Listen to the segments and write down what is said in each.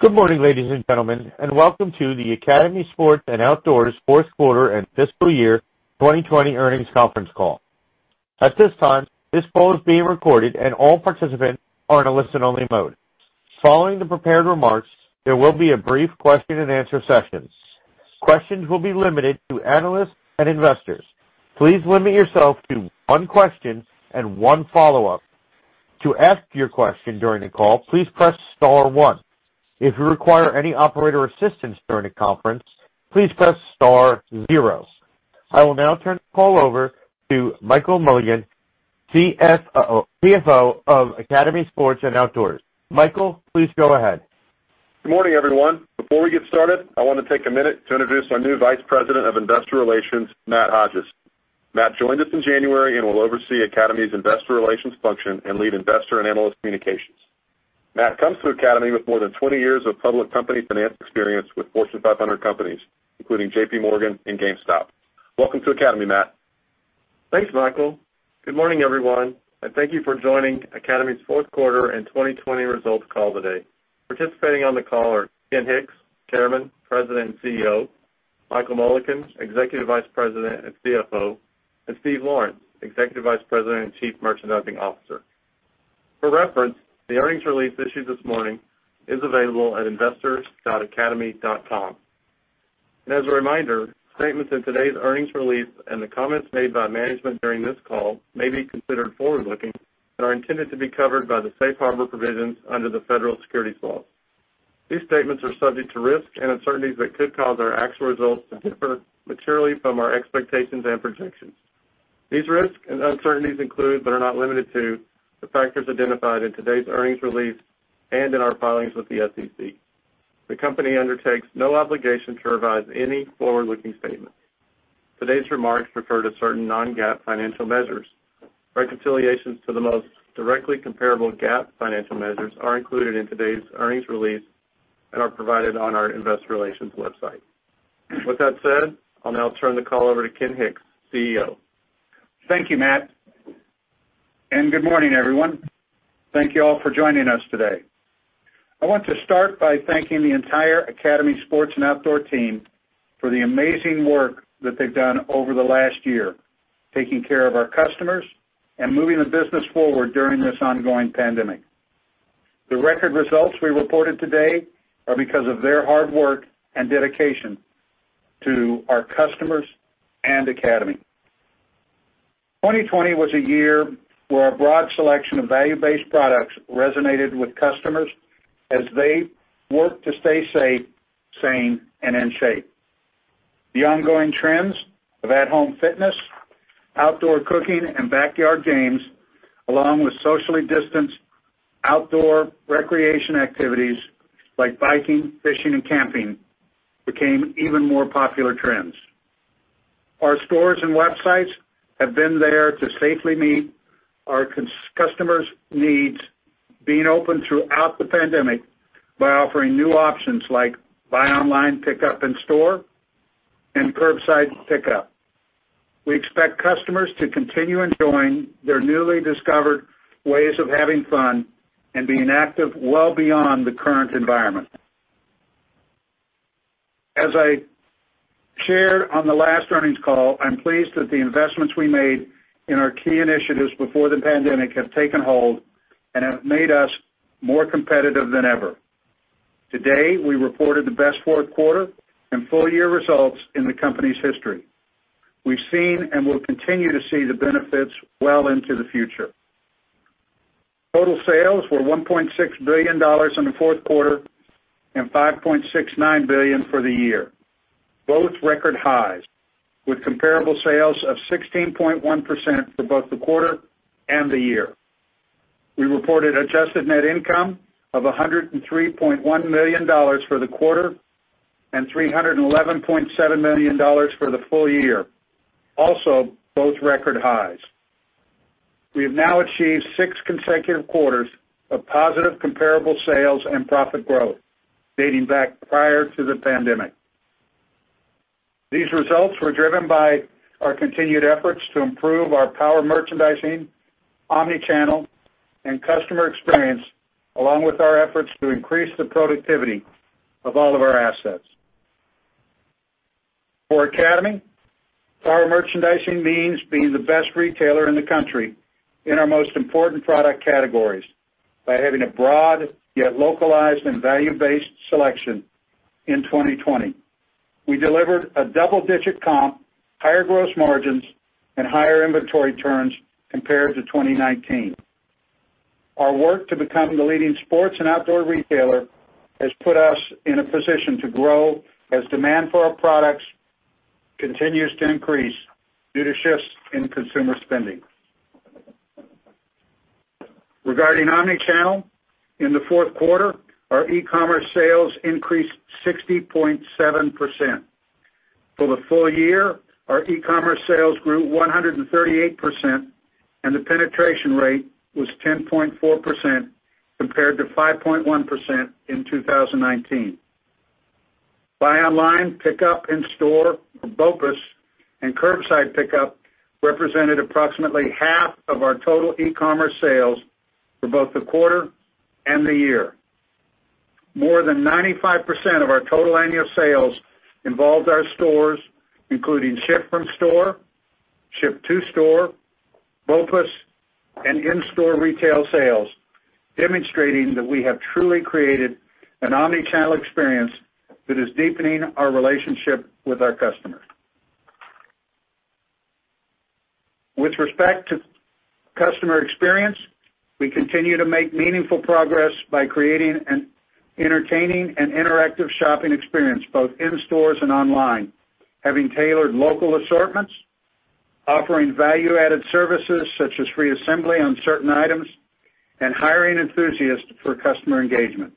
Good morning, ladies and gentlemen, and welcome to the Academy Sports + Outdoors fourth quarter and fiscal year 2020 earnings conference call. At this time, this call is being recorded and all participants are in a listen-only mode. Following the prepared remarks, there will be a brief question and answer session. Questions will be limited to analysts and investors. Please limit yourself to one question and one follow-up. To ask your question during the call, please press star one. If you require any operator assistance during the conference, please press star zero. I will now turn the call over to Michael Mullican, CFO of Academy Sports + Outdoors. Michael, please go ahead. Good morning, everyone. Before we get started, I want to take a minute to introduce our new Vice President of Investor Relations, Matt Hodges. Matt joined us in January and will oversee Academy's investor relations function and lead investor and analyst communications. Matt comes to Academy with more than 20 years of public company finance experience with Fortune 500 companies, including JPMorgan and GameStop. Welcome to Academy, Matt. Thanks, Michael. Good morning, everyone, and thank you for joining Academy's fourth quarter and 2020 results call today. Participating on the call are Ken Hicks, Chairman, President, and CEO, Michael Mullican, Executive Vice President and CFO, and Steve Lawrence, Executive Vice President and Chief Merchandising Officer. For reference, the earnings release issued this morning is available at investors.academy.com. As a reminder, statements in today's earnings release and the comments made by management during this call may be considered forward-looking and are intended to be covered by the safe harbor provisions under the federal securities laws. These statements are subject to risks and uncertainties that could cause our actual results to differ materially from our expectations and projections. These risks and uncertainties include, but are not limited to, the factors identified in today's earnings release and in our filings with the SEC. The company undertakes no obligation to revise any forward-looking statements. Today's remarks refer to certain non-GAAP financial measures. Reconciliations to the most directly comparable GAAP financial measures are included in today's earnings release and are provided on our investor relations website. With that said, I'll now turn the call over to Ken Hicks, CEO. Thank you, Matt, and good morning, everyone. Thank you all for joining us today. I want to start by thanking the entire Academy Sports + Outdoors team for the amazing work that they've done over the last year, taking care of our customers and moving the business forward during this ongoing pandemic. The record results we reported today are because of their hard work and dedication to our customers and Academy. 2020 was a year where our broad selection of value-based products resonated with customers as they worked to stay safe, sane, and in shape. The ongoing trends of at-home fitness, outdoor cooking, and backyard games, along with socially distanced outdoor recreation activities like biking, fishing, and camping, became even more popular trends. Our stores and websites have been there to safely meet our customers' needs, being open throughout the pandemic by offering new options like buy online pickup in store and curbside pickup. We expect customers to continue enjoying their newly discovered ways of having fun and being active well beyond the current environment. As I shared on the last earnings call, I'm pleased that the investments we made in our key initiatives before the pandemic have taken hold and have made us more competitive than ever. Today, we reported the best fourth quarter and full-year results in the company's history. We've seen and will continue to see the benefits well into the future. Total sales were $1.6 billion in the fourth quarter and $5.69 billion for the year, both record highs, with comparable sales of 16.1% for both the quarter and the year. We reported adjusted net income of $103.1 million for the quarter and $311.7 million for the full year, also both record highs. We have now achieved six consecutive quarters of positive comparable sales and profit growth dating back prior to the pandemic. These results were driven by our continued efforts to improve our power merchandising, omnichannel, and customer experience, along with our efforts to increase the productivity of all of our assets. For Academy, power merchandising means being the best retailer in the country in our most important product categories by having a broad, yet localized and value-based selection in 2020. We delivered a double-digit comp, higher gross margins, and higher inventory turns compared to 2019. Our work to become the leading sports and outdoor retailer has put us in a position to grow as demand for our products continues to increase due to shifts in consumer spending. Regarding omnichannel, in the fourth quarter, our e-commerce sales increased 60.7%. For the full year, our e-commerce sales grew 138%, and the penetration rate was 10.4% compared to 5.1% in 2019. Buy online, pick up in store, or BOPUS, and curbside pickup represented approximately half of our total e-commerce sales for both the quarter and the year. More than 95% of our total annual sales involved our stores, including ship from store, ship to store, BOPUS, and in-store retail sales, demonstrating that we have truly created an omni-channel experience that is deepening our relationship with our customers. With respect to customer experience, we continue to make meaningful progress by creating an entertaining and interactive shopping experience, both in stores and online, having tailored local assortments, offering value-added services such as free assembly on certain items, and hiring enthusiasts for customer engagement.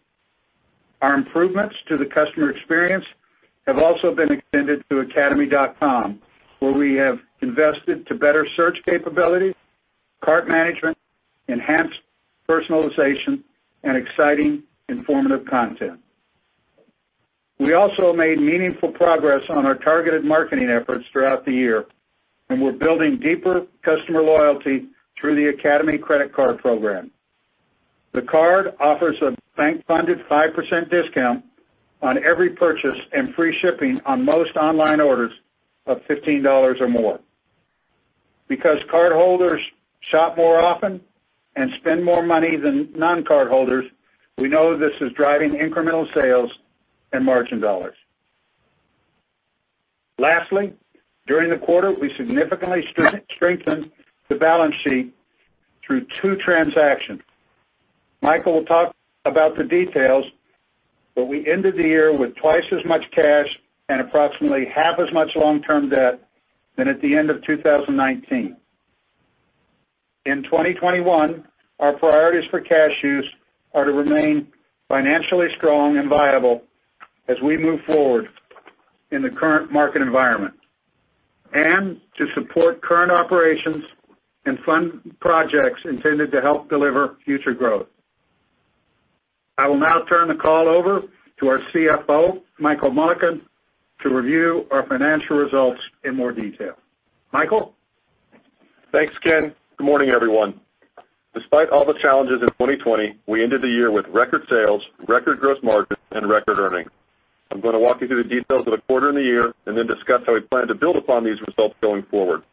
Our improvements to the customer experience have also been extended to investors.academy.com, where we have invested to better search capability, cart management, enhanced personalization, and exciting informative content. We also made meaningful progress on our targeted marketing efforts throughout the year, and we're building deeper customer loyalty through the Academy credit card program. The card offers a bank-funded 5% discount on every purchase and free shipping on most online orders of $15 or more. Because cardholders shop more often and spend more money than non-cardholders, we know this is driving incremental sales and margin dollars. Lastly, during the quarter, we significantly strengthened the balance sheet through two transactions. Michael will talk about the details, but we ended the year with twice as much cash and approximately half as much long-term debt than at the end of 2019. In 2021, our priorities for cash use are to remain financially strong and viable as we move forward in the current market environment and to support current operations and fund projects intended to help deliver future growth. I will now turn the call over to our CFO, Michael Mullican, to review our financial results in more detail. Michael? Thanks, Ken. Good morning, everyone. Despite all the challenges in 2020, we ended the year with record sales, record gross margin, and record earnings. I'm going to walk you through the details of the quarter and the year, and then discuss how we plan to build upon these results going forward.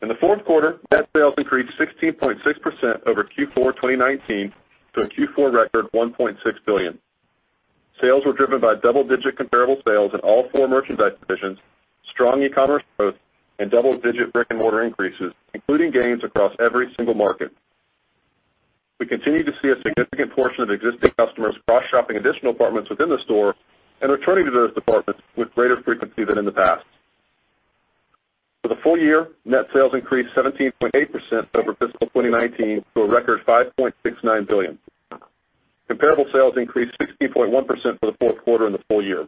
In the fourth quarter, net sales increased 16.6% over Q4 2019 to a Q4 record $1.6 billion. Sales were driven by double-digit comparable sales in all four merchandise divisions, strong e-commerce growth, and double-digit brick-and-mortar increases, including gains across every single market. We continue to see a significant portion of existing customers cross-shopping additional departments within the store and returning to those departments with greater frequency than in the past. For the full year, net sales increased 17.8% over fiscal 2019 to a record $5.69 billion. Comparable sales increased 16.1% for the fourth quarter and the full year.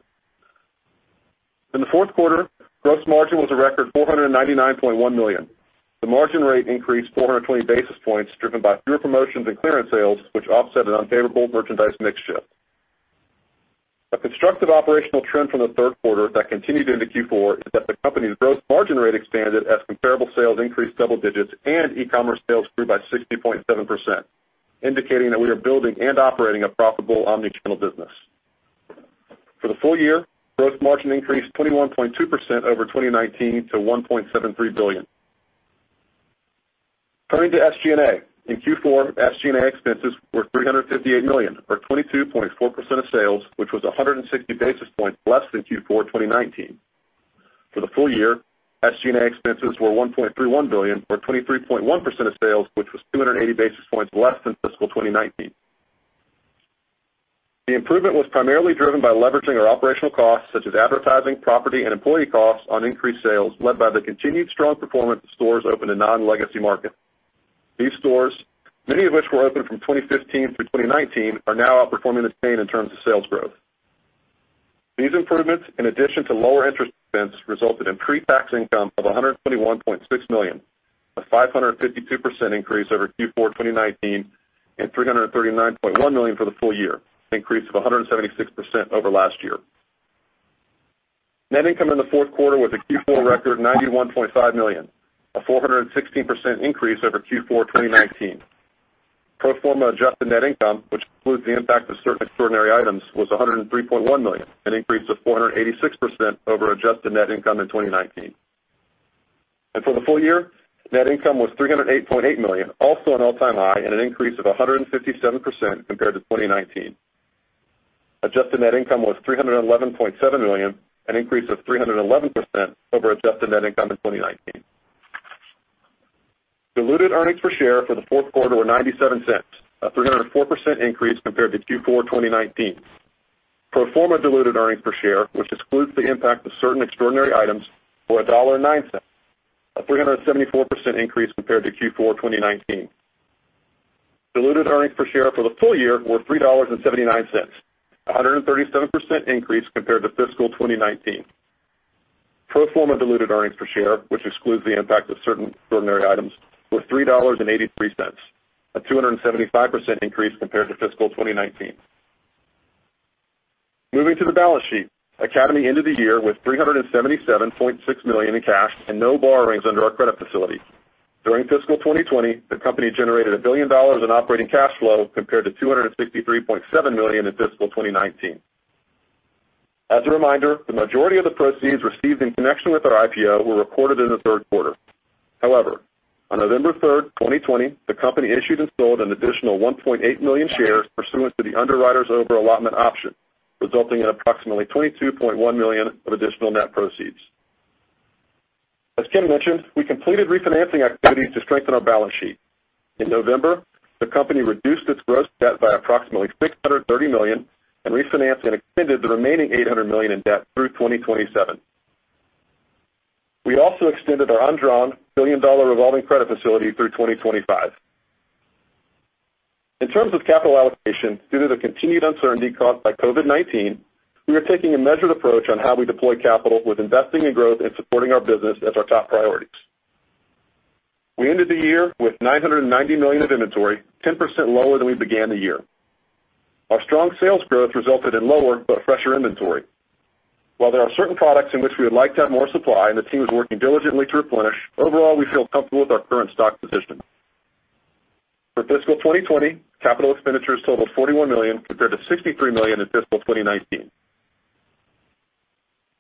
In the fourth quarter, gross margin was a record $499.1 million. The margin rate increased 420 basis points, driven by fewer promotions and clearance sales, which offset an unfavorable merchandise mix shift. A constructive operational trend from the third quarter that continued into Q4 is that the company's gross margin rate expanded as comparable sales increased double digits and e-commerce sales grew by 60.7%, indicating that we are building and operating a profitable omni-channel business. For the full year, gross margin increased 21.2% over 2019 to $1.73 billion. Turning to SG&A. In Q4, SG&A expenses were $358 million, or 22.4% of sales, which was 160 basis points less than Q4 2019. For the full year, SG&A expenses were $1.31 billion or 23.1% of sales, which was 280 basis points less than fiscal 2019. The improvement was primarily driven by leveraging our operational costs, such as advertising, property, and employee costs on increased sales, led by the continued strong performance of stores open in non-legacy markets. These stores, many of which were opened from 2015 through 2019, are now outperforming the chain in terms of sales growth. These improvements, in addition to lower interest expense, resulted in pre-tax income of $121.6 million, a 552% increase over Q4 2019 and $339.1 million for the full year, an increase of 176% over last year. Net income in the fourth quarter was a Q4 record $91.5 million, a 416% increase over Q4 2019. Pro forma adjusted net income, which excludes the impact of certain extraordinary items, was $103.1 million, an increase of 486% over adjusted net income in 2019. For the full year, net income was $308.8 million, also an all-time high and an increase of 157% compared to 2019. Adjusted net income was $311.7 million, an increase of 311% over adjusted net income in 2019. Diluted earnings per share for the fourth quarter were $0.97, a 304% increase compared to Q4 2019. Pro forma diluted earnings per share, which excludes the impact of certain extraordinary items, were $1.09, a 374% increase compared to Q4 2019. Diluted earnings per share for the full year were $3.79, 137% increase compared to fiscal 2019. Pro forma diluted earnings per share, which excludes the impact of certain extraordinary items, was $3.83, a 275% increase compared to fiscal 2019. Moving to the balance sheet. Academy ended the year with $377.6 million in cash and no borrowings under our credit facility. During fiscal 2020, the company generated $1 billion in operating cash flow compared to $263.7 million in fiscal 2019. As a reminder, the majority of the proceeds received in connection with our IPO were reported in the third quarter. However, on November 3, 2020, the company issued and sold an additional 1.8 million shares pursuant to the underwriter's over-allotment option, resulting in approximately $22.1 million of additional net proceeds. As Ken mentioned, we completed refinancing activities to strengthen our balance sheet. In November, the company reduced its gross debt by approximately $630 million and refinanced and extended the remaining $800 million in debt through 2027. We also extended our undrawn $1 billion revolving credit facility through 2025. In terms of capital allocation, due to the continued uncertainty caused by COVID-19, we are taking a measured approach on how we deploy capital with investing in growth and supporting our business as our top priorities. We ended the year with $990 million of inventory, 10% lower than we began the year. Our strong sales growth resulted in lower but fresher inventory. While there are certain products in which we would like to have more supply, and the team is working diligently to replenish, overall, we feel comfortable with our current stock position. For fiscal 2020, capital expenditures totaled $41 million, compared to $63 million in fiscal 2019.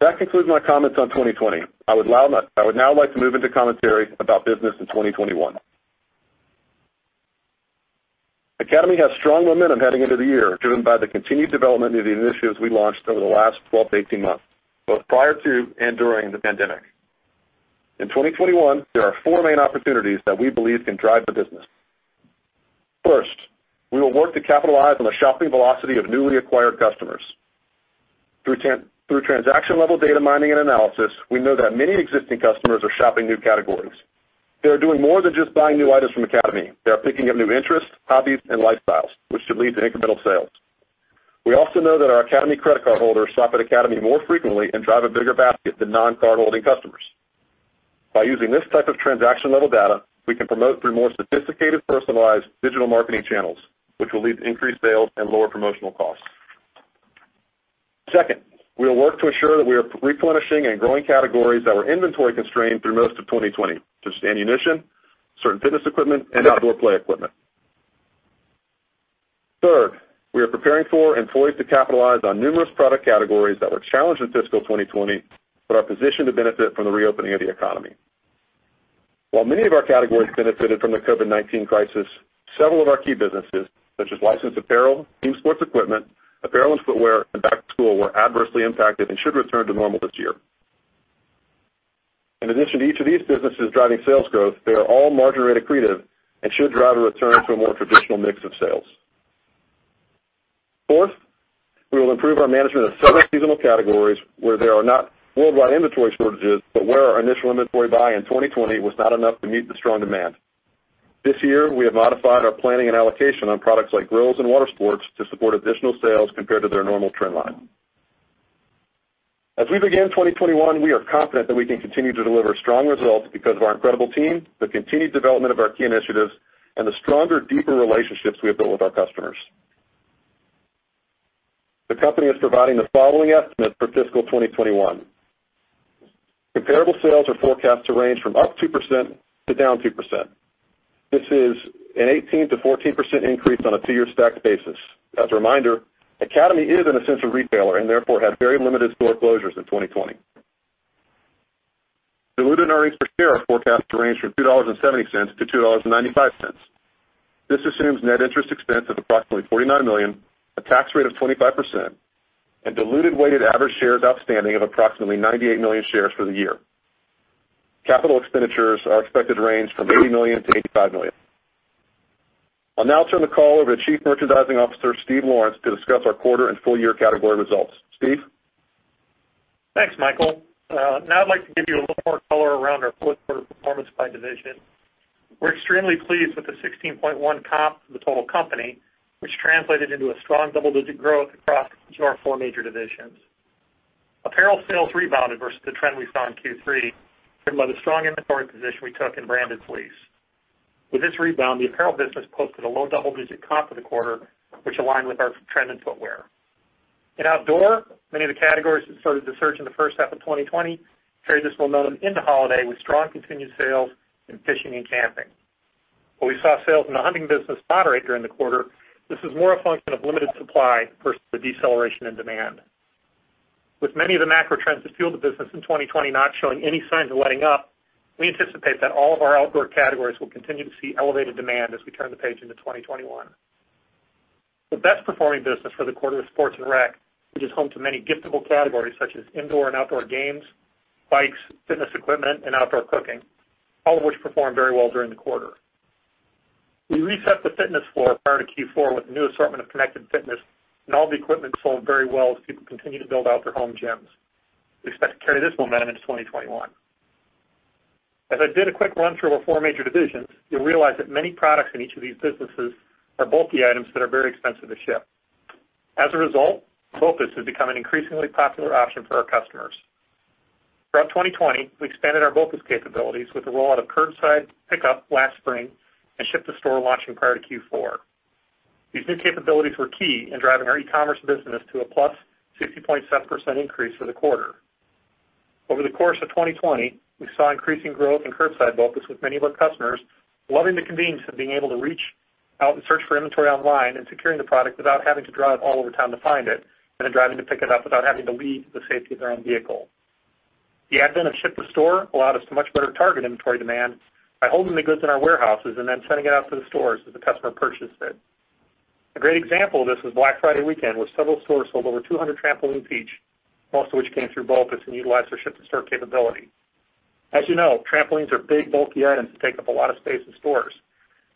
That concludes my comments on 2020. I would now like to move into commentary about business in 2021. Academy has strong momentum heading into the year, driven by the continued development of the initiatives we launched over the last 12 months-18 months, both prior to and during the pandemic. In 2021, there are four main opportunities that we believe can drive the business. First, we will work to capitalize on the shopping velocity of newly acquired customers. Through transaction-level data mining and analysis, we know that many existing customers are shopping new categories. They are doing more than just buying new items from Academy. They are picking up new interests, hobbies, and lifestyles, which should lead to incremental sales. We also know that our Academy credit card holders shop at Academy more frequently and drive a bigger basket than non-card-holding customers. By using this type of transaction-level data, we can promote through more sophisticated, personalized digital marketing channels, which will lead to increased sales and lower promotional costs. Second, we will work to ensure that we are replenishing and growing categories that were inventory constrained through most of 2020, such as ammunition, certain fitness equipment, and outdoor play equipment. Third, we are preparing for and poised to capitalize on numerous product categories that were challenged in fiscal 2020, but are positioned to benefit from the reopening of the economy. While many of our categories benefited from the COVID-19 crisis, several of our key businesses, such as licensed apparel, team sports equipment, apparel and footwear, and back-to-school, were adversely impacted and should return to normal this year. In addition to each of these businesses driving sales growth, they are all margin-accretive and should drive a return to a more traditional mix of sales. Fourth, we will improve our management of several seasonal categories where there are not worldwide inventory shortages, but where our initial inventory buy in 2020 was not enough to meet the strong demand. This year, we have modified our planning and allocation on products like grills and water sports to support additional sales compared to their normal trend line. As we begin 2021, we are confident that we can continue to deliver strong results because of our incredible team, the continued development of our key initiatives, and the stronger, deeper relationships we have built with our customers. The company is providing the following estimate for fiscal 2021. Comparable sales are forecast to range from up 2% to down 2%. This is an 18%-14% increase on a two-year stacked basis. As a reminder, Academy is an essential retailer and therefore had very limited store closures in 2020. Diluted earnings per share are forecast to range from $2.70-$2.95. This assumes net interest expense of approximately $49 million, a tax rate of 25%, and diluted weighted average shares outstanding of approximately 98 million shares for the year. Capital expenditures are expected to range from $80 million-$85 million. I'll now turn the call over to Chief Merchandising Officer, Steve Lawrence, to discuss our quarter and full-year category results. Steve? Thanks, Michael. Now I'd like to give you a little more color around our fourth quarter performance by division. We're extremely pleased with the 16.1 comp for the total company, which translated into a strong double-digit growth across each of our four major divisions. Apparel sales rebounded versus the trend we saw in Q3, driven by the strong inventory position we took in branded fleece. With this rebound, the apparel business posted a low double-digit comp for the quarter, which aligned with our trend in footwear. In outdoor, many of the categories that started to surge in the first half of 2020 carried this momentum into holiday, with strong continued sales in fishing and camping. While we saw sales in the hunting business moderate during the quarter, this is more a function of limited supply versus the deceleration in demand. With many of the macro trends that fueled the business in 2020 not showing any signs of letting up, we anticipate that all of our outdoor categories will continue to see elevated demand as we turn the page into 2021. The best performing business for the quarter was sports and rec, which is home to many giftable categories such as indoor and outdoor games, bikes, fitness equipment, and outdoor cooking, all of which performed very well during the quarter. We reset the fitness floor prior to Q4 with a new assortment of connected fitness, and all the equipment sold very well as people continue to build out their home gyms. We expect to carry this momentum into 2021. As I did a quick run-through of four major divisions, you'll realize that many products in each of these businesses are bulky items that are very expensive to ship. As a result, BOPUS has become an increasingly popular option for our customers. Throughout 2020, we expanded our BOPUS capabilities with the rollout of curbside pickup last spring and ship to store launching prior to Q4. These new capabilities were key in driving our e-commerce business to a +60.7% increase for the quarter. Over the course of 2020, we saw increasing growth in curbside BOPUS with many of our customers loving the convenience of being able to reach out and search for inventory online and securing the product without having to drive all over town to find it, and then driving to pick it up without having to leave the safety of their own vehicle. The advent of ship to store allowed us to much better target inventory demand by holding the goods in our warehouses and then sending it out to the stores as the customer purchased it. A great example of this was Black Friday weekend, where several stores sold over 200 trampolines each, most of which came through BOPUS and utilized our ship-to-store capability. As you know, trampolines are big, bulky items that take up a lot of space in stores.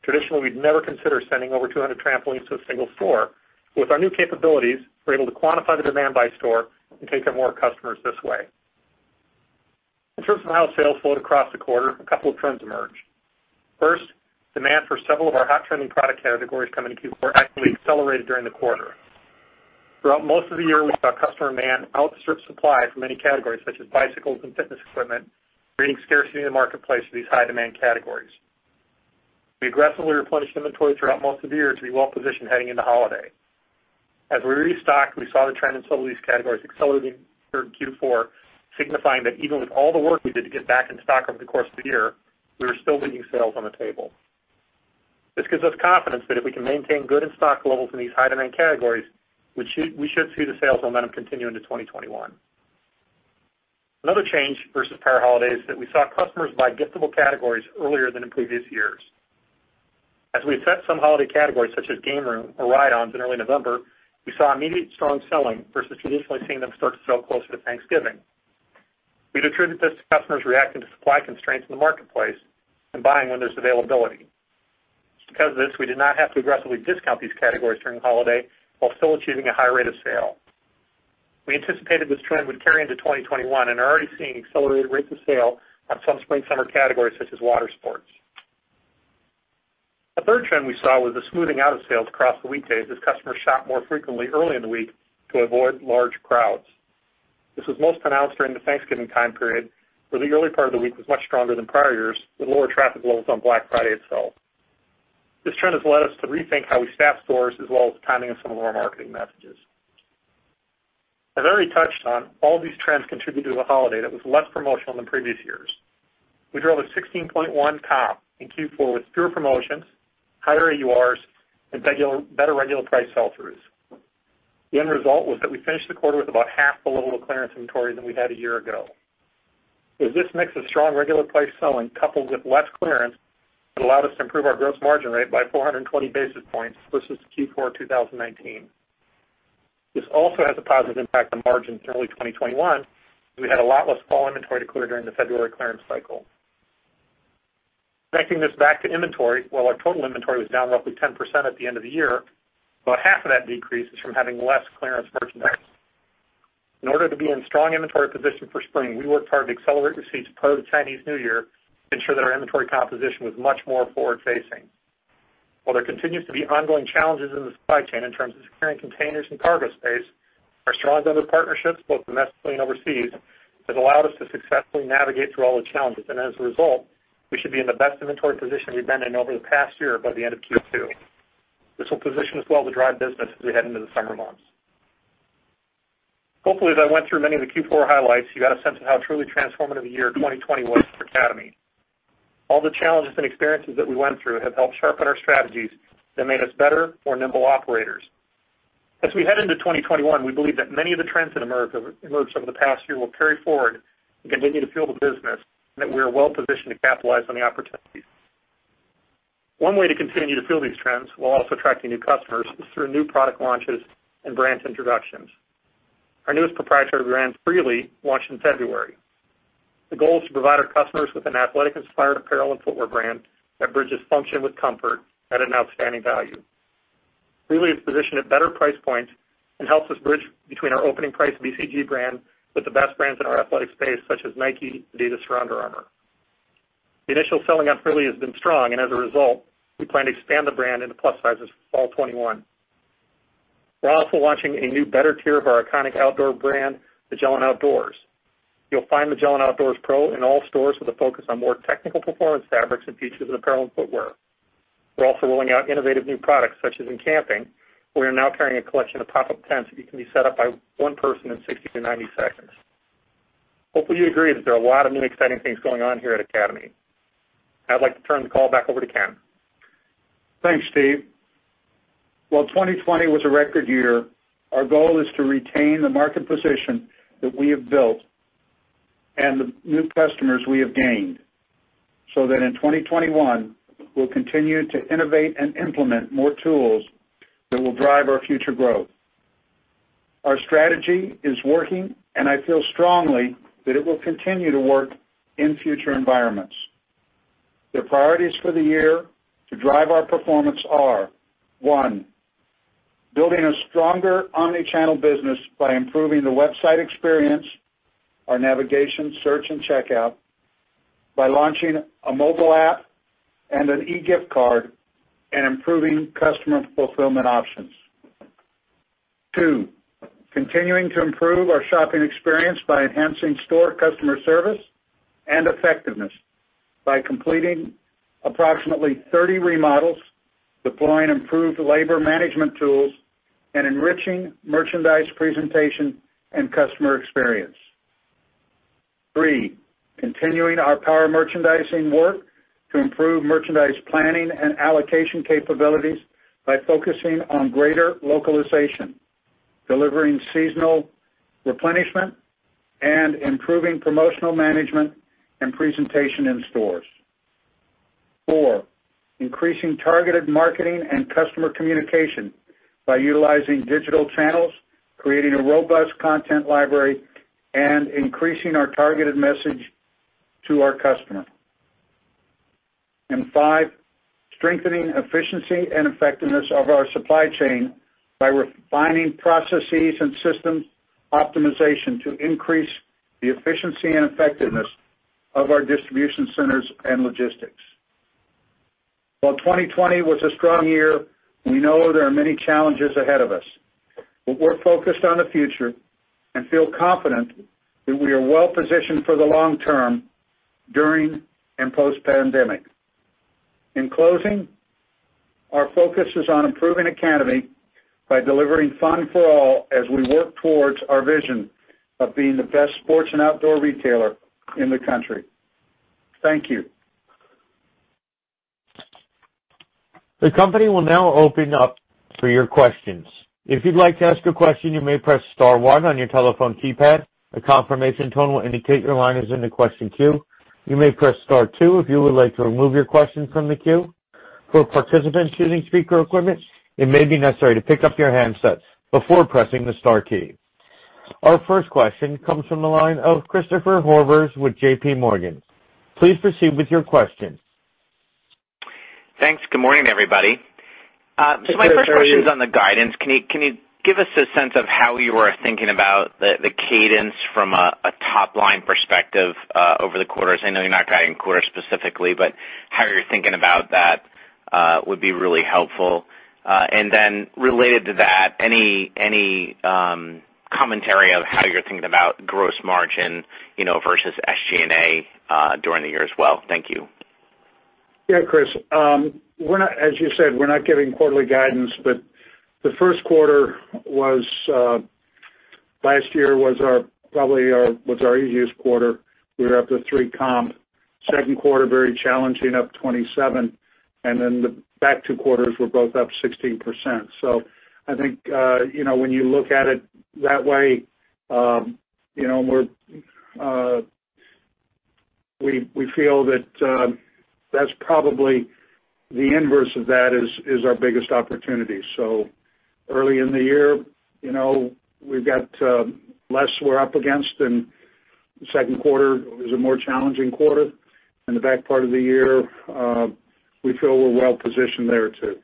Traditionally, we'd never consider sending over 200 trampolines to a single store. With our new capabilities, we're able to quantify the demand by store and take care of more customers this way. In terms of how sales flowed across the quarter, a couple of trends emerged. First, demand for several of our hot trending product categories coming to Q4 actually accelerated during the quarter. Throughout most of the year, we saw customer demand outstrip supply for many categories, such as bicycles and fitness equipment, creating scarcity in the marketplace for these high-demand categories. We aggressively replenished inventory throughout most of the year to be well-positioned heading into holiday. As we restocked, we saw the trend in several of these categories accelerating through Q4, signifying that even with all the work we did to get back in stock over the course of the year, we were still leaving sales on the table. This gives us confidence that if we can maintain good in-stock levels in these high-demand categories, we should see the sales momentum continue into 2021. Another change versus prior holidays is that we saw customers buy giftable categories earlier than in previous years. As we set some holiday categories such as game room or ride-ons in early November, we saw immediate strong selling versus traditionally seeing them start to sell closer to Thanksgiving. We'd attribute this to customers reacting to supply constraints in the marketplace and buying when there's availability. Because of this, we did not have to aggressively discount these categories during holiday while still achieving a high rate of sale. We anticipated this trend would carry into 2021 and are already seeing accelerated rates of sale on some spring/summer categories such as water sports. A third trend we saw was the smoothing out of sales across the weekdays as customers shopped more frequently early in the week to avoid large crowds. This was most pronounced during the Thanksgiving time period, where the early part of the week was much stronger than prior years, with lower traffic levels on Black Friday itself. This trend has led us to rethink how we staff stores, as well as timing of some of our marketing messages. As I already touched on, all these trends contributed to a holiday that was less promotional than previous years. We drove a 16.1 comp in Q4 with fewer promotions, higher AURs, and better regular price sell-throughs. The end result was that we finished the quarter with about half the level of clearance inventory than we had a year ago. It was this mix of strong regular price selling coupled with less clearance that allowed us to improve our gross margin rate by 420 basis points versus Q4 2019. This also has a positive impact on margins in early 2021, as we had a lot less fall inventory to clear during the February clearance cycle. Connecting this back to inventory, while our total inventory was down roughly 10% at the end of the year, about half of that decrease is from having less clearance merchandise. In order to be in strong inventory position for spring, we worked hard to accelerate receipts post-Chinese New Year to ensure that our inventory composition was much more forward-facing. While there continues to be ongoing challenges in the supply chain in terms of securing containers and cargo space, our strong vendor partnerships, both domestically and overseas, have allowed us to successfully navigate through all the challenges. As a result, we should be in the best inventory position we've been in over the past year by the end of Q2. This will position us well to drive business as we head into the summer months. Hopefully, as I went through many of the Q4 highlights, you got a sense of how truly transformative the year 2020 was for Academy. All the challenges and experiences that we went through have helped sharpen our strategies that made us better, more nimble operators. As we head into 2021, we believe that many of the trends that emerged over the past year will carry forward and continue to fuel the business, and that we are well-positioned to capitalize on the opportunities. One way to continue to fuel these trends while also attracting new customers is through new product launches and brand introductions. Our newest proprietary brand, Freely, launched in February. The goal is to provide our customers with an athletic-inspired apparel and footwear brand that bridges function with comfort at an outstanding value. Freely is positioned at better price points and helps us bridge between our opening price BCG brand with the best brands in our athletic space, such as Nike, Adidas, or Under Armour. The initial selling of Freely has been strong, and as a result, we plan to expand the brand into plus sizes for fall 2021. We're also launching a new better tier of our iconic outdoor brand, Magellan Outdoors. You'll find Magellan Outdoors Pro in all stores with a focus on more technical performance fabrics and features in apparel and footwear. We're also rolling out innovative new products, such as in camping. We are now carrying a collection of pop-up tents that can be set up by one person in 60seconds-90 seconds. Hopefully, you agree that there are a lot of new, exciting things going on here at Academy. I'd like to turn the call back over to Ken. Thanks, Steve. While 2020 was a record year, our goal is to retain the market position that we have built and the new customers we have gained, so that in 2021, we'll continue to innovate and implement more tools that will drive our future growth. Our strategy is working, and I feel strongly that it will continue to work in future environments. The priorities for the year to drive our performance are: one, building a stronger omni-channel business by improving the website experience, our navigation, search, and checkout, by launching a mobile app and an e-gift card, and improving customer fulfillment options. Two, continuing to improve our shopping experience by enhancing store customer service and effectiveness by completing approximately 30 remodels, deploying improved labor management tools, and enriching merchandise presentation and customer experience Three, continuing our power merchandising work to improve merchandise planning and allocation capabilities by focusing on greater localization, delivering seasonal replenishment, and improving promotional management and presentation in stores. Four, increasing targeted marketing and customer communication by utilizing digital channels, creating a robust content library, and increasing our targeted message to our customer. Five, strengthening efficiency and effectiveness of our supply chain by refining processes and systems optimization to increase the efficiency and effectiveness of our distribution centers and logistics. While 2020 was a strong year, we know there are many challenges ahead of us. We're focused on the future and feel confident that we are well-positioned for the long term, during and post-pandemic. In closing, our focus is on improving Academy by delivering fun for all as we work towards our vision of being the best sports and outdoor retailer in the country. Thank you. The company will now open up for your questions. If you'd like to ask a question, you may press star one on your telephone keypad. A confirmation tone will indicate your line is in the question queue. You may press star two if you would like to remove your question from the queue. For participants using speaker equipment, it may be necessary to pick up your handsets before pressing the star key. Our first question comes from the line of Christopher Horvers with JPMorgan. Please proceed with your question. Thanks. Good morning, everybody. Good morning. My first question is on the guidance. Can you give us a sense of how you are thinking about the cadence from a top-line perspective over the quarters? I know you're not guiding quarters specifically, but how you're thinking about that would be really helpful. Related to that, any commentary of how you're thinking about gross margin versus SG&A during the year as well. Thank you. Chris. As you said, we're not giving quarterly guidance, the first quarter last year was probably our easiest quarter. We were up to three comp. Second quarter, very challenging, up 27, the back two quarters were both up 16%. I think when you look at it that way, we feel that the inverse of that is our biggest opportunity. Early in the year, we've got less we're up against, and the second quarter is a more challenging quarter. In the back part of the year, we feel we're well positioned there too.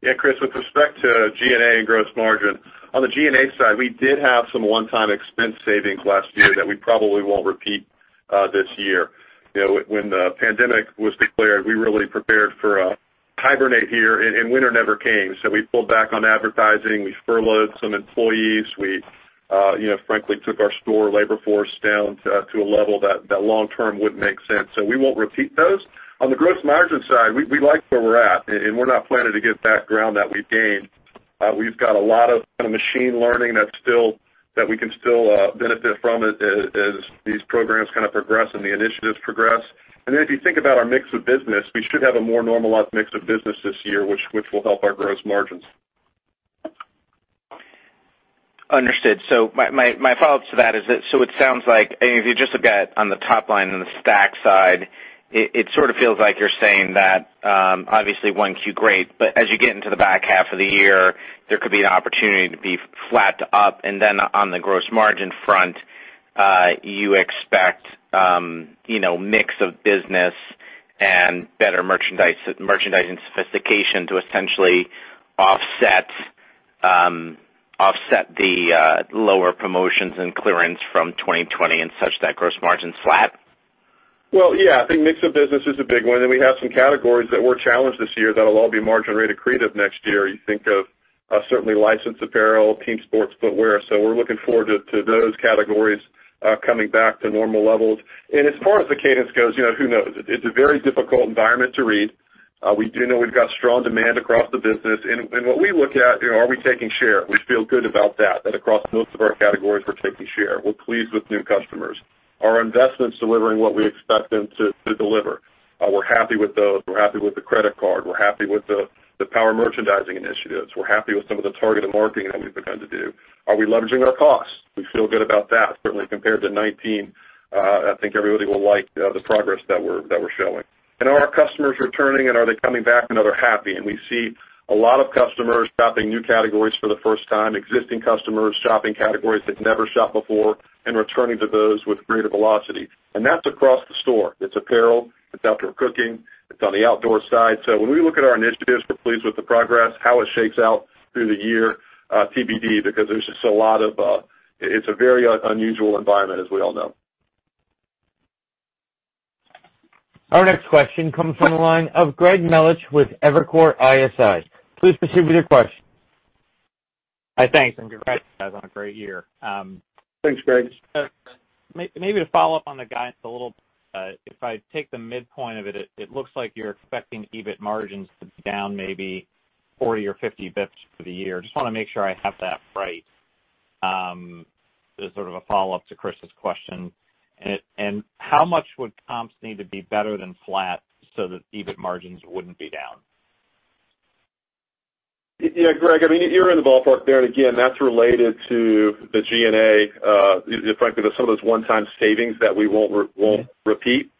Yeah, Chris, with respect to G&A and gross margin. On the G&A side, we did have some one-time expense savings last year that we probably won't repeat this year. When the pandemic was declared, we really prepared for a hibernate year, and winter never came. We pulled back on advertising, we furloughed some employees. We frankly took our store labor force down to a level that long term wouldn't make sense. We won't repeat those. On the gross margin side, we like where we're at, and we're not planning to give back ground that we've gained. We've got a lot of machine learning that we can still benefit from as these programs progress and the initiatives progress. If you think about our mix of business, we should have a more normalized mix of business this year, which will help our gross margins. Understood. My follow-up to that is, it sounds like if you just look at on the top line and the stack side, it sort of feels like you're saying that obviously 1Q, great, but as you get into the back half of the year, there could be an opportunity to be flat to up. Then on the gross margin front, you expect mix of business and better merchandising sophistication to essentially offset the lower promotions and clearance from 2020 and such that gross margin's flat? Well, yeah. I think mix of business is a big one. We have some categories that were challenged this year that'll all be margin accretive next year. You think of certainly licensed apparel, team sports footwear. We're looking forward to those categories coming back to normal levels. As far as the cadence goes, who knows? It's a very difficult environment to read. We do know we've got strong demand across the business. What we look at, are we taking share? We feel good about that across most of our categories, we're taking share. We're pleased with new customers. Are investments delivering what we expect them to deliver? We're happy with those. We're happy with the credit card. We're happy with the power merchandising initiatives. We're happy with some of the targeted marketing that we've begun to do. Are we leveraging our costs? We feel good about that. Certainly compared to 2019, I think everybody will like the progress that we're showing. Are our customers returning, and are they coming back and are they happy? We see a lot of customers shopping new categories for the first time, existing customers shopping categories they've never shopped before, and returning to those with greater velocity. That's across the store. It's apparel, it's outdoor cooking. It's on the outdoor side. When we look at our initiatives, we're pleased with the progress, how it shakes out through the year, TBD, because it's a very unusual environment, as we all know. Our next question comes from the line of Greg Melich with Evercore ISI. Please proceed with your question. Hi, thanks. Congrats, guys, on a great year. Thanks, Greg. Maybe to follow up on the guidance a little, if I take the midpoint of it looks like you're expecting EBIT margins to be down maybe 40 or 50 basis points for the year. Just want to make sure I have that right. As sort of a follow-up to Chris's question. How much would comps need to be better than flat so that EBIT margins wouldn't be down? Yeah, Greg, you're in the ballpark there. Again, that's related to the G&A, frankly, some of those one-time savings that we won't repeat.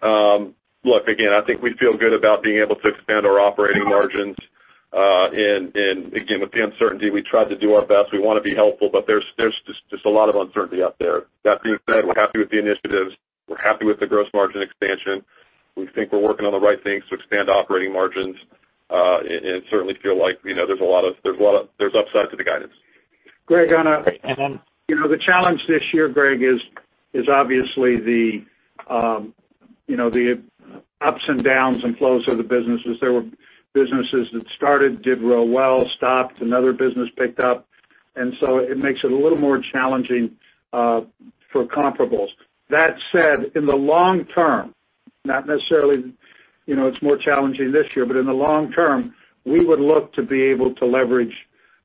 Look, again, I think we feel good about being able to expand our operating margins. Again, with the uncertainty, we tried to do our best. We want to be helpful, but there's just a lot of uncertainty out there. That being said, we're happy with the initiatives. We're happy with the gross margin expansion. We think we're working on the right things to expand operating margins. Certainly feel like there's upside to the guidance. Great. The challenge this year, Greg, is obviously the ups and downs and flows of the businesses. There were businesses that started, did real well, stopped, another business picked up. It makes it a little more challenging for comparables. That said, in the long term, it's more challenging this year, but in the long term, we would look to be able to leverage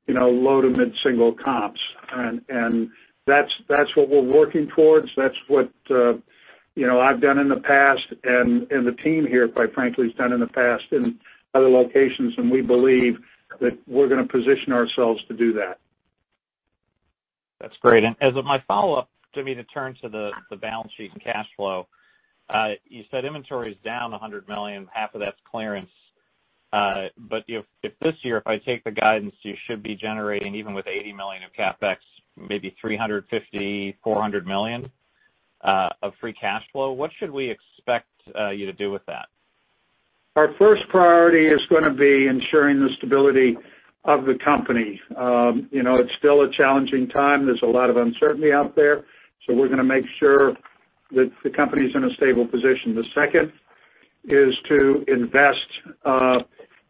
low to mid-single comps. That's what we're working towards. That's what I've done in the past and the team here, quite frankly, has done in the past in other locations. We believe that we're going to position ourselves to do that. That's great. As my follow-up, Michael, to turn to the balance sheet and cash flow. You said inventory is down $100 million. Half of that's clearance. If this year, if I take the guidance, you should be generating, even with $80 million of CapEx, maybe $350 million-$400 million of free cash flow. What should we expect you to do with that? Our first priority is going to be ensuring the stability of the company. It's still a challenging time. There's a lot of uncertainty out there, so we're going to make sure that the company's in a stable position. The second is to invest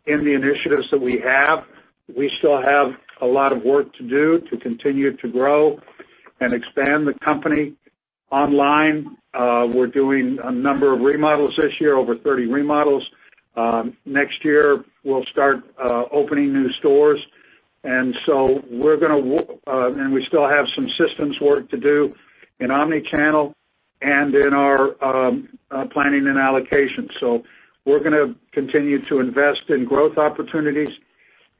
in the initiatives that we have. We still have a lot of work to do to continue to grow and expand the company online. We're doing a number of remodels this year, over 30 remodels. Next year, we'll start opening new stores. We still have some systems work to do in omnichannel and in our planning and allocation. We're going to continue to invest in growth opportunities.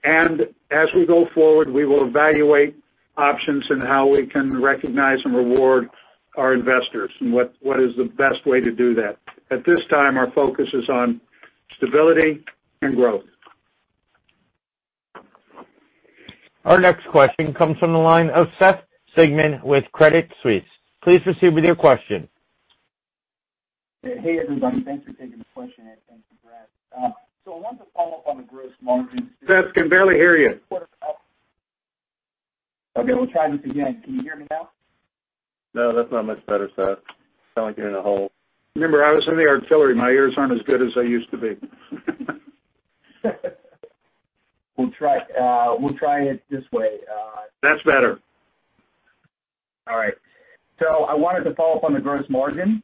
As we go forward, we will evaluate options in how we can recognize and reward our investors and what is the best way to do that. At this time, our focus is on stability and growth. Our next question comes from the line of Seth Sigman with Credit Suisse. Please proceed with your question. Hey, everybody. Thanks for taking the question, and thanks, Matt. I wanted to follow up on the gross margin. Seth, can barely hear you. Okay, we'll try this again. Can you hear me now? No, that's not much better, Seth. Sound like you're in a hole. Remember, I was in the artillery. My ears aren't as good as they used to be. We'll try it this way. That's better. All right. I wanted to follow up on the gross margin,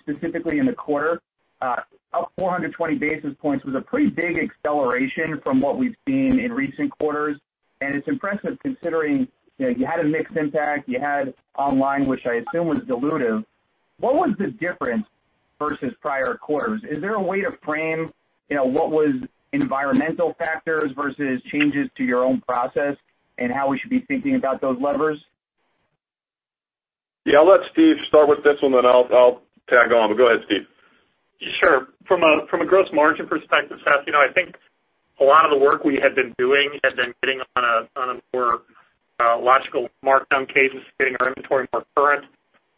specifically in the quarter. Up 420 basis points was a pretty big acceleration from what we've seen in recent quarters, and it's impressive considering you had a mixed impact. You had online, which I assume was dilutive. What was the difference versus prior quarters? Is there a way to frame what was environmental factors versus changes to your own process and how we should be thinking about those levers? Yeah, I'll let Steve start with this one, then I'll tag on. Go ahead, Steve. Sure. From a gross margin perspective, Seth, I think a lot of the work we had been doing had been getting on a more logical markdown cadence, getting our inventory more current.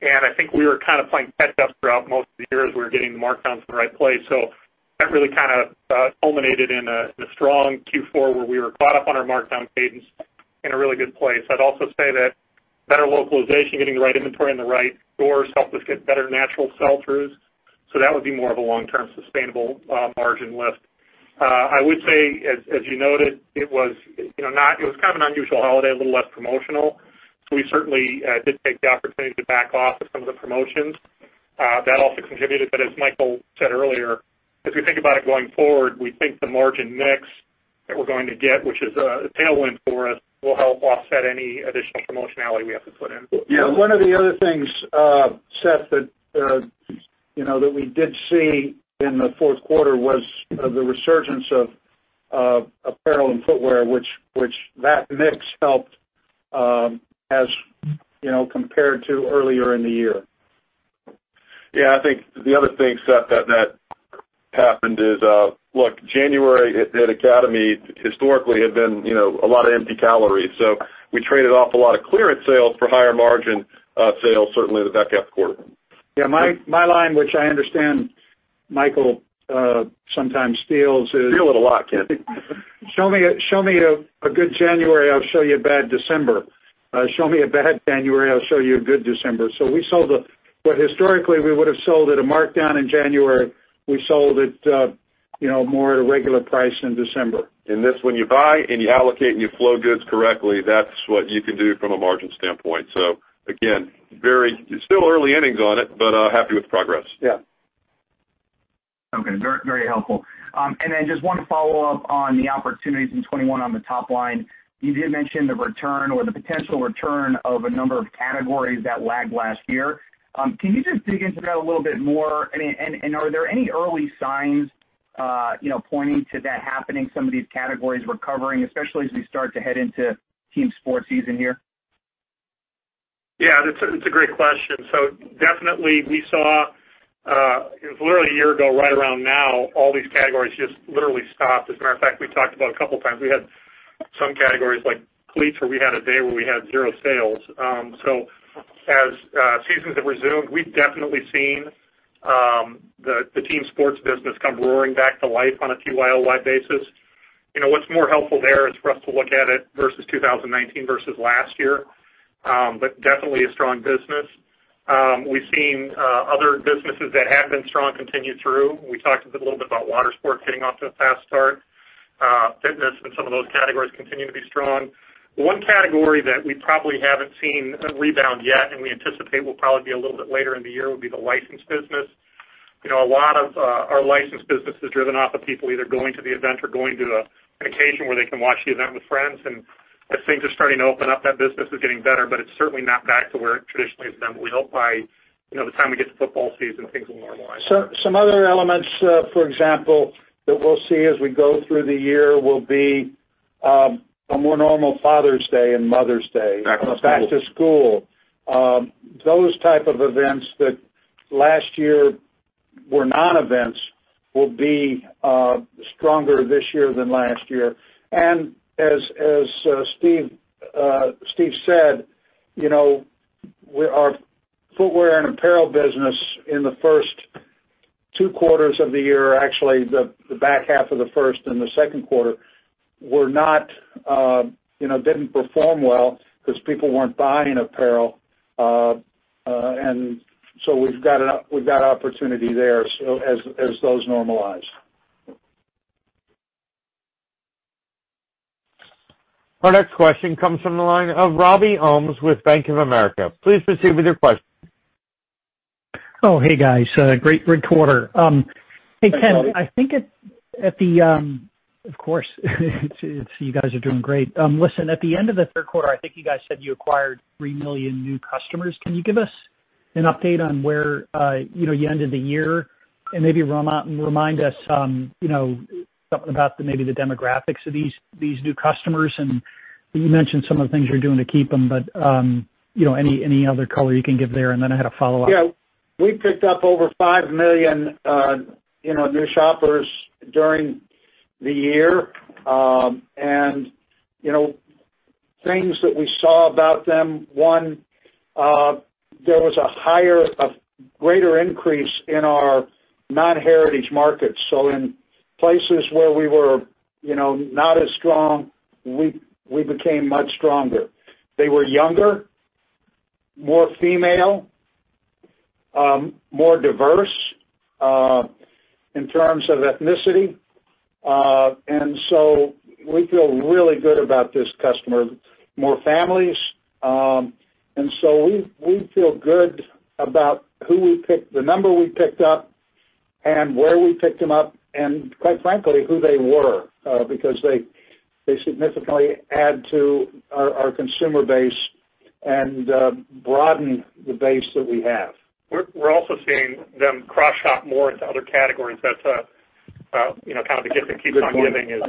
I think we were kind of playing catch up throughout most of the year as we were getting the markdowns in the right place. That really kind of culminated in a strong Q4 where we were caught up on our markdown cadence in a really good place. I'd also say that better localization, getting the right inventory in the right stores helped us get better natural sell-throughs. That would be more of a long-term sustainable margin lift. I would say, as you noted, it was kind of an unusual holiday, a little less promotional. We certainly did take the opportunity to back off of some of the promotions. That also contributed. As Michael said earlier, as we think about it going forward, we think the margin mix that we're going to get, which is a tailwind for us, will help offset any additional promotionality we have to put in. Yeah. One of the other things, Seth, that we did see in the fourth quarter was the resurgence of apparel and footwear, which that mix helped as compared to earlier in the year. Yeah, I think the other thing, Seth, that happened is, look, January at Academy historically had been a lot of empty calories. We traded off a lot of clearance sales for higher margin sales certainly the back half quarter. Yeah, my line, which I understand Michael sometimes steals is. Steal it a lot, Ken. Show me a good January, I'll show you a bad December. Show me a bad January, I'll show you a good December. What historically we would've sold at a markdown in January, we sold it more at a regular price in December. That's when you buy and you allocate and you flow goods correctly, that's what you can do from a margin standpoint. Again, it's still early innings on it, but happy with the progress. Yeah. Okay. Very helpful. Just one follow-up on the opportunities in 2021 on the top line. You did mention the return or the potential return of a number of categories that lagged last year. Can you just dig into that a little bit more, and are there any early signs pointing to that happening, some of these categories recovering, especially as we start to head into team sports season here? Yeah. That's a great question. Definitely we saw, it was literally a year ago right around now, all these categories just literally stopped. As a matter of fact, we talked about a couple of times, we had some categories like cleats where we had a day where we had zero sales. As seasons have resumed, we've definitely seen the team sports business come roaring back to life on a YOY basis. What's more helpful there is for us to look at it versus 2019 versus last year. Definitely a strong business. We've seen other businesses that have been strong continue through. We talked a little bit about water sports getting off to a fast start. Fitness and some of those categories continue to be strong. One category that we probably haven't seen rebound yet, and we anticipate will probably be a little bit later in the year, will be the licensed business. A lot of our licensed business is driven off of people either going to the event or going to an occasion where they can watch the event with friends. As things are starting to open up, that business is getting better, but it's certainly not back to where it traditionally has been. We hope by the time we get to football season, things will normalize. Some other elements, for example, that we'll see as we go through the year will be a more normal Father's Day and Mother's Day. Back to school. Those type of events that last year were non-events will be stronger this year than last year. As Steve said, our footwear and apparel business in the first two quarters of the year, actually the back half of the first and the second quarter didn't perform well because people weren't buying apparel. So we've got opportunity there as those normalize. Our next question comes from the line of Robbie Ohmes with Bank of America. Please proceed with your question. Oh, hey guys. Great quarter. Hey, Robbie. Hey, Ken. Of course, you guys are doing great. Listen, at the end of the third quarter, I think you guys said you acquired three million new customers. Can you give us an update on where you ended the year and maybe remind us something about maybe the demographics of these new customers? You mentioned some of the things you're doing to keep them, but any other color you can give there? I had a follow-up. Yeah. We picked up over five million new shoppers during the year. Things that we saw about them, one, there was a greater increase in our non-heritage markets. In places where we were not as strong, we became much stronger. They were younger, more female, more diverse in terms of ethnicity. We feel really good about this customer. More families. We feel good about the number we picked up and where we picked them up and, quite frankly, who they were. Because they significantly add to our consumer base and broaden the base that we have. We're also seeing them cross-shop more into other categories. That's kind of the gift that keeps on giving is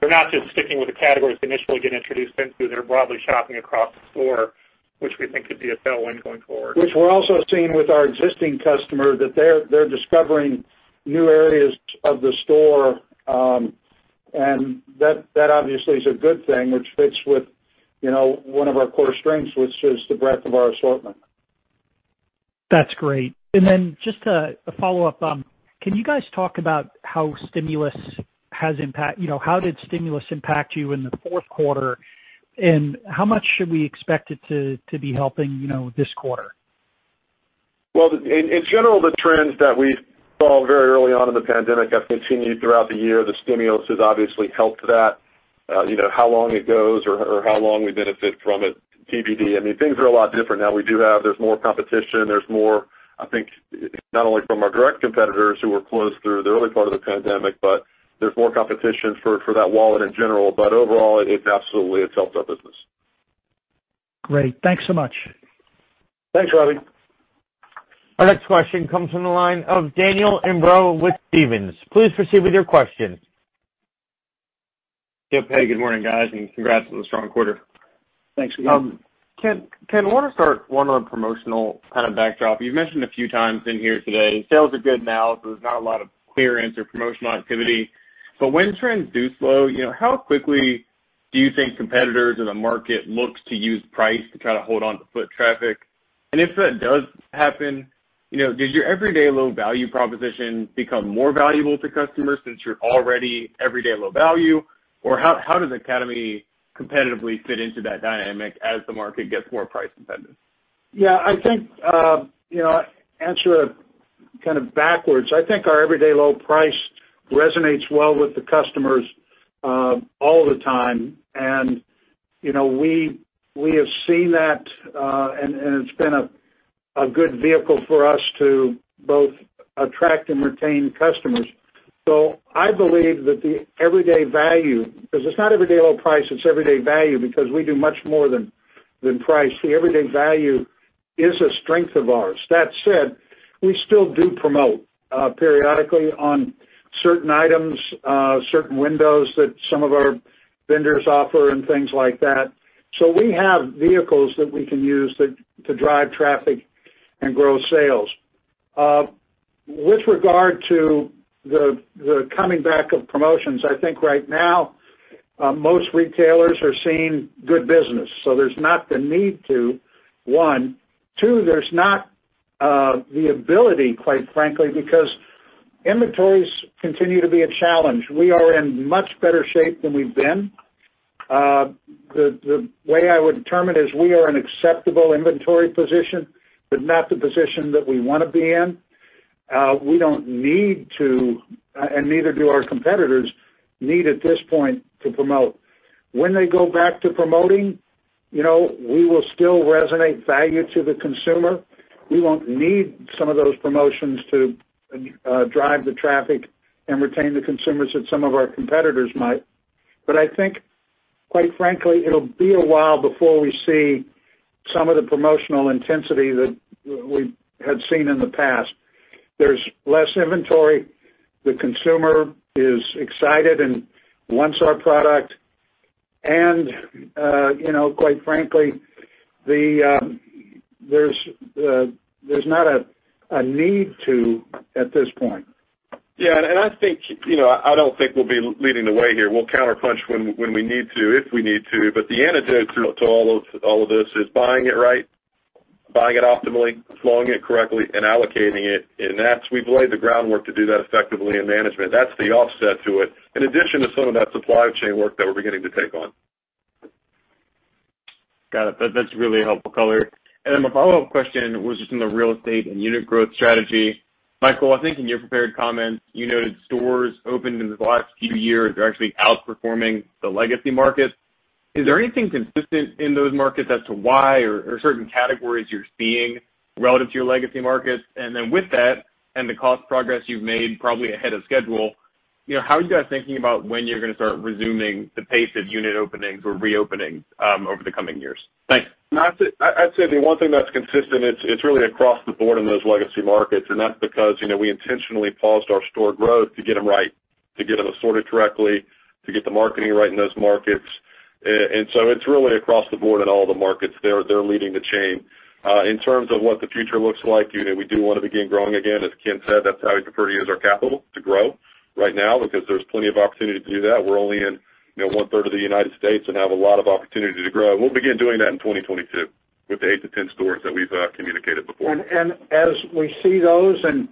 they're not just sticking with the categories they initially get introduced into. They're broadly shopping across the store, which we think could be a tailwind going forward. Which we're also seeing with our existing customer, that they're discovering new areas of the store, and that obviously is a good thing, which fits with one of our core strengths, which is the breadth of our assortment. That's great. Then just a follow-up. Can you guys talk about how did stimulus impact you in the fourth quarter, and how much should we expect it to be helping this quarter? Well, in general, the trends that we saw very early on in the pandemic have continued throughout the year. The stimulus has obviously helped that. How long it goes or how long we benefit from it, TBD. Things are a lot different now. There's more competition. There's more, I think, not only from our direct competitors who were closed through the early part of the pandemic, but there's more competition for that wallet in general. Overall, absolutely it's helped our business. Great. Thanks so much. Thanks, Robbie. Our next question comes from the line of Daniel Imbro with Stephens. Please proceed with your question. Yep. Hey, good morning, guys, and congrats on the strong quarter. Thanks. Ken, I want to start, one, on a promotional kind of backdrop. You've mentioned a few times in here today, sales are good now, so there's not a lot of clearance or promotional activity. When trends do slow, how quickly do you think competitors in the market looks to use price to try to hold onto foot traffic? If that does happen, does your everyday low value proposition become more valuable to customers since you're already everyday low value? How does Academy competitively fit into that dynamic as the market gets more price dependent? Yeah. I'll answer it kind of backwards. I think our everyday low price resonates well with the customers all the time. We have seen that, and it's been a good vehicle for us to both attract and retain customers. I believe that the everyday value, because it's not everyday low price, it's everyday value, because we do much more than price. The everyday value is a strength of ours. That said, we still do promote periodically on certain items, certain windows that some of our vendors offer and things like that. We have vehicles that we can use to drive traffic and grow sales. With regard to the coming back of promotions, I think right now, most retailers are seeing good business, so there's not the need to, one. Two, there's not the ability, quite frankly, because inventories continue to be a challenge. We are in much better shape than we've been. The way I would term it is we are in acceptable inventory position, but not the position that we want to be in. We don't need to, and neither do our competitors need at this point to promote. When they go back to promoting, we will still resonate value to the consumer. We won't need some of those promotions to drive the traffic and retain the consumers that some of our competitors might. I think, quite frankly, it'll be a while before we see some of the promotional intensity that we had seen in the past. There's less inventory. The consumer is excited and wants our product. Quite frankly, there's not a need to at this point. Yeah, I don't think we'll be leading the way here. We'll counterpunch when we need to, if we need to. The antidote to all of this is buying it right, buying it optimally, flowing it correctly, and allocating it. We've laid the groundwork to do that effectively in management. That's the offset to it, in addition to some of that supply chain work that we're beginning to take on. Got it. That's really helpful color. My follow-up question was just on the real estate and unit growth strategy. Michael, I think in your prepared comments, you noted stores opened in the last few years are actually outperforming the legacy markets. Is there anything consistent in those markets as to why or certain categories you're seeing relative to your legacy markets? With that and the cost progress you've made probably ahead of schedule, how are you guys thinking about when you're going to start resuming the pace of unit openings or reopenings over the coming years? Thanks. I'd say the one thing that's consistent, it's really across the board in those legacy markets, and that's because we intentionally paused our store growth to get them right, to get them assorted correctly, to get the marketing right in those markets. It's really across the board in all the markets. They're leading the chain. In terms of what the future looks like, we do want to begin growing again. As Ken said, that's how we prefer to use our capital, to grow right now, because there's plenty of opportunity to do that. We're only in one-third of the U.S. and have a lot of opportunity to grow. We'll begin doing that in 2022 with the eight to 10 stores that we've communicated before. As we see those and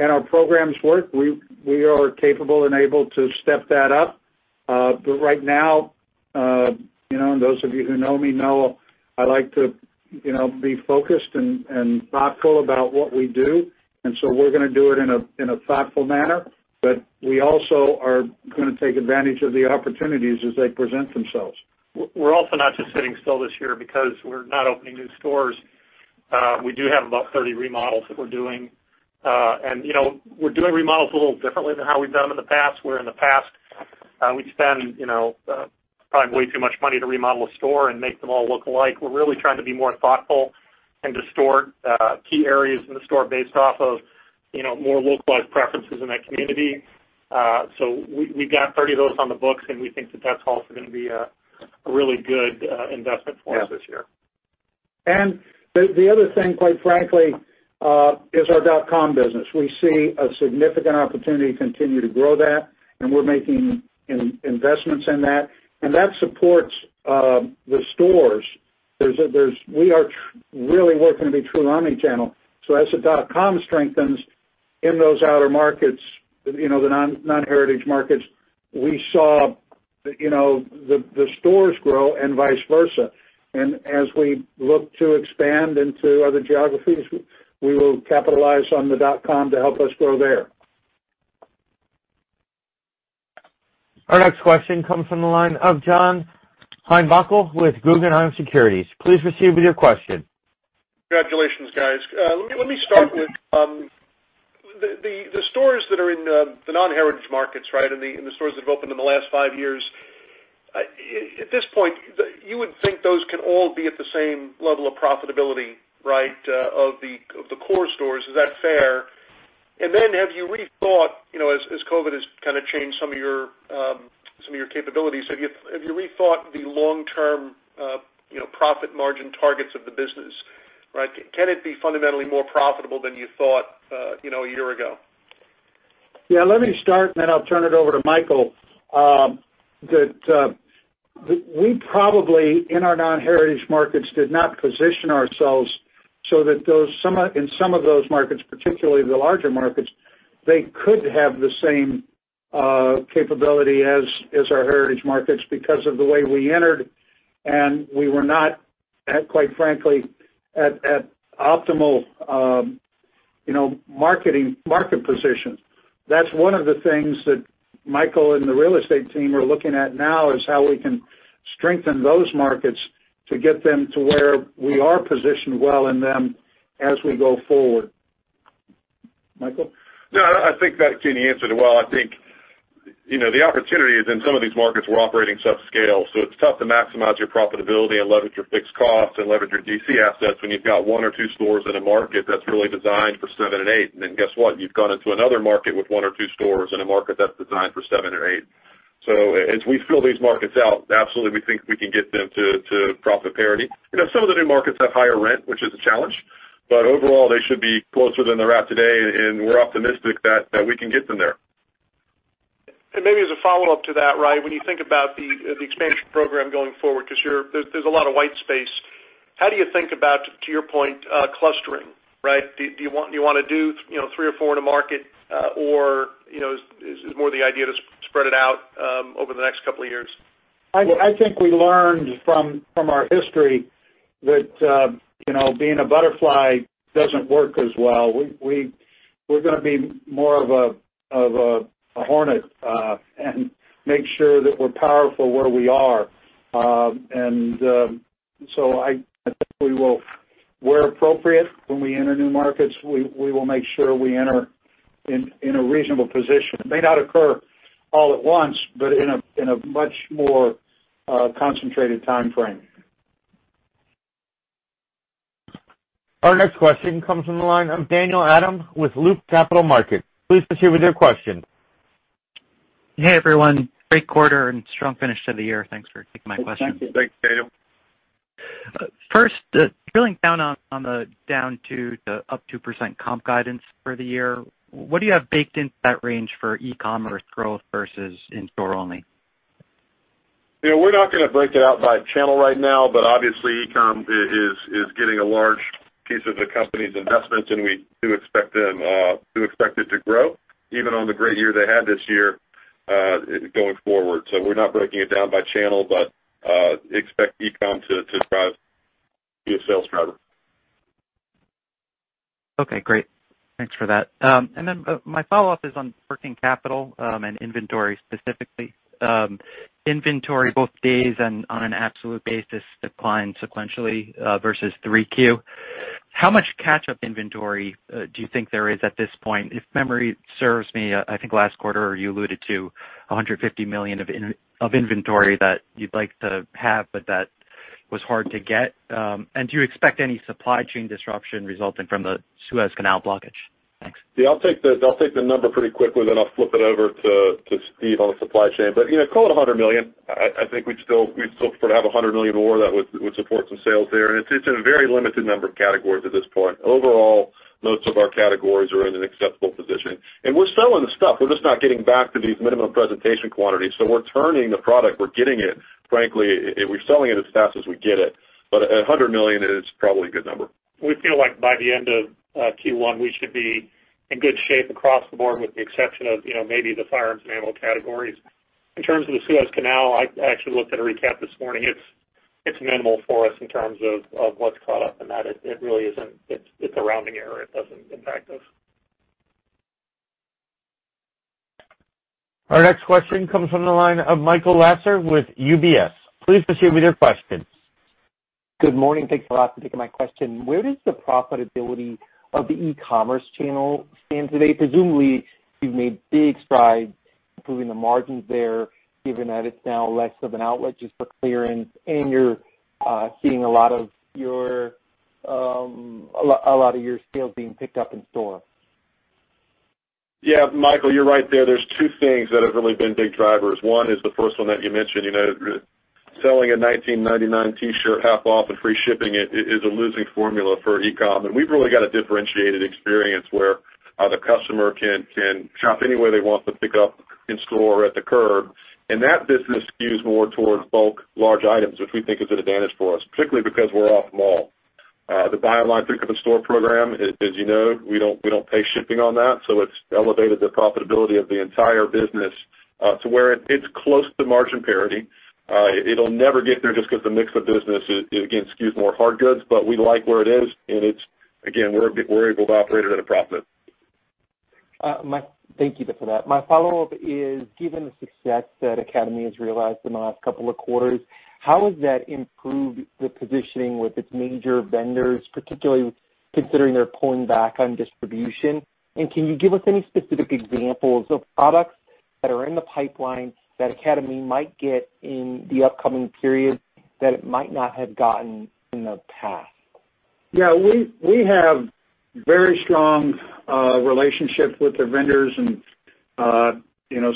our programs work, we are capable and able to step that up. Right now, and those of you who know me know I like to be focused and thoughtful about what we do, and so we're going to do it in a thoughtful manner. We also are going to take advantage of the opportunities as they present themselves. We're also not just sitting still this year because we're not opening new stores. We do have about 30 remodels that we're doing. We're doing remodels a little differently than how we've done them in the past, where in the past, we'd spend probably way too much money to remodel a store and make them all look alike. We're really trying to be more thoughtful and distort key areas in the store based off of more localized preferences in that community. We've got 30 of those on the books, and we think that that's also going to be a really good investment for us this year. Yeah. The other thing, quite frankly, is our dotcom business. We see a significant opportunity to continue to grow that, and we're making investments in that, and that supports the stores. We are really working to be true omni-channel. As the dotcom strengthens in those outer markets, the non-heritage markets, we saw the stores grow and vice versa. As we look to expand into other geographies, we will capitalize on the dotcom to help us grow there. Our next question comes from the line of John Heinbockel with Guggenheim Securities. Please proceed with your question. Congratulations, guys. Let me start with the stores that are in the non-heritage markets, and the stores that have opened in the last five years. At this point, you would think those can all be at the same level of profitability of the core stores. Is that fair? Have you rethought, as COVID has kind of changed some of your capabilities, have you rethought the long-term profit margin targets of the business? Can it be fundamentally more profitable than you thought a year ago? Yeah, let me start, then I'll turn it over to Michael. We probably, in our non-heritage markets, did not position ourselves so that in some of those markets, particularly the larger markets, they could have the same capability as our heritage markets because of the way we entered, we were not at, quite frankly, at optimal market position. That's one of the things that Michael and the real estate team are looking at now is how we can strengthen those markets to get them to where we are positioned well in them as we go forward. Michael? No, I think that, Ken, answered it well. I think, the opportunity is in some of these markets we're operating sub-scale, so it's tough to maximize your profitability and leverage your fixed costs and leverage your DC assets when you've got one or two stores in a market that's really designed for seven and eight. Guess what? You've gone into another market with one or two stores in a market that's designed for seven or eight. As we fill these markets out, absolutely we think we can get them to profit parity. Some of the new markets have higher rent, which is a challenge, but overall, they should be closer than they're at today, and we're optimistic that we can get them there. Maybe as a follow-up to that, when you think about the expansion program going forward, because there's a lot of white space, how do you think about, to your point, clustering? Do you want to do three or four in a market, or is more the idea to spread it out over the next couple of years? I think we learned from our history that being a butterfly doesn't work as well. We're going to be more of a hornet and make sure that we're powerful where we are. I think where appropriate when we enter new markets, we will make sure we enter in a reasonable position. It may not occur all at once, but in a much more concentrated timeframe. Our next question comes from the line of Daniel Adam with Loop Capital Markets. Please proceed with your question. Hey, everyone. Great quarter and strong finish to the year. Thanks for taking my question. Thank you. Thanks, Daniel. First, drilling down on the down to the up 2% comp guidance for the year, what do you have baked into that range for e-commerce growth versus in-store only? We're not going to break it out by channel right now, but obviously, e-com is getting a large piece of the company's investment, and we do expect it to grow even on the great year they had this year going forward. We're not breaking it down by channel, but expect e-com to be a sales driver. Okay, great. Thanks for that. My follow-up is on working capital and inventory specifically. Inventory, both days and on an absolute basis, declined sequentially versus 3Q. How much catch-up inventory do you think there is at this point? If memory serves me, I think last quarter, you alluded to $150 million of inventory that you'd like to have, but that was hard to get. Do you expect any supply chain disruption resulting from the Suez Canal blockage? Thanks. Yeah, I'll take the number pretty quickly, then I'll flip it over to Steve on the supply chain. Call it $100 million. I think we'd still prefer to have $100 million more that would support some sales there. It's in a very limited number of categories at this point. Overall, most of our categories are in an acceptable position. We're selling the stuff. We're just not getting back to these minimum presentation quantities. We're turning the product, we're getting it. Frankly, we're selling it as fast as we get it. $100 million is probably a good number. We feel like by the end of Q1, we should be in good shape across the board, with the exception of maybe the firearms and ammo categories. In terms of the Suez Canal, I actually looked at a recap this morning. It's minimal for us in terms of what's caught up in that. It's a rounding error. It doesn't impact us. Our next question comes from the line of Michael Lasser with UBS. Please proceed with your questions. Good morning. Thanks a lot for taking my question. Where does the profitability of the e-commerce channel stand today? Presumably, you've made big strides improving the margins there, given that it's now less of an outlet just for clearance, and you're seeing a lot of your sales being picked up in store. Yeah, Michael, you're right there. There's two things that have really been big drivers. One is the first one that you mentioned. Selling a $19.99 T-shirt half off and free shipping it is a losing formula for e-com. We've really got a differentiated experience where the customer can shop any way they want, but pick up in store or at the curb. That business skews more towards bulk large items, which we think is an advantage for us, particularly because we're off-mall. The buy online pick up in store program, as you know, we don't pay shipping on that, so it's elevated the profitability of the entire business to where it's close to margin parity. It'll never get there just because the mix of business, again, skews more hard goods, but we like where it is, and again, we're able to operate it at a profit. Thank you for that. My follow-up is, given the success that Academy has realized in the last couple of quarters, how has that improved the positioning with its major vendors, particularly considering they're pulling back on distribution? Can you give us any specific examples of products that are in the pipeline that Academy might get in the upcoming period that it might not have gotten in the past? Yeah. We have very strong relationships with the vendors and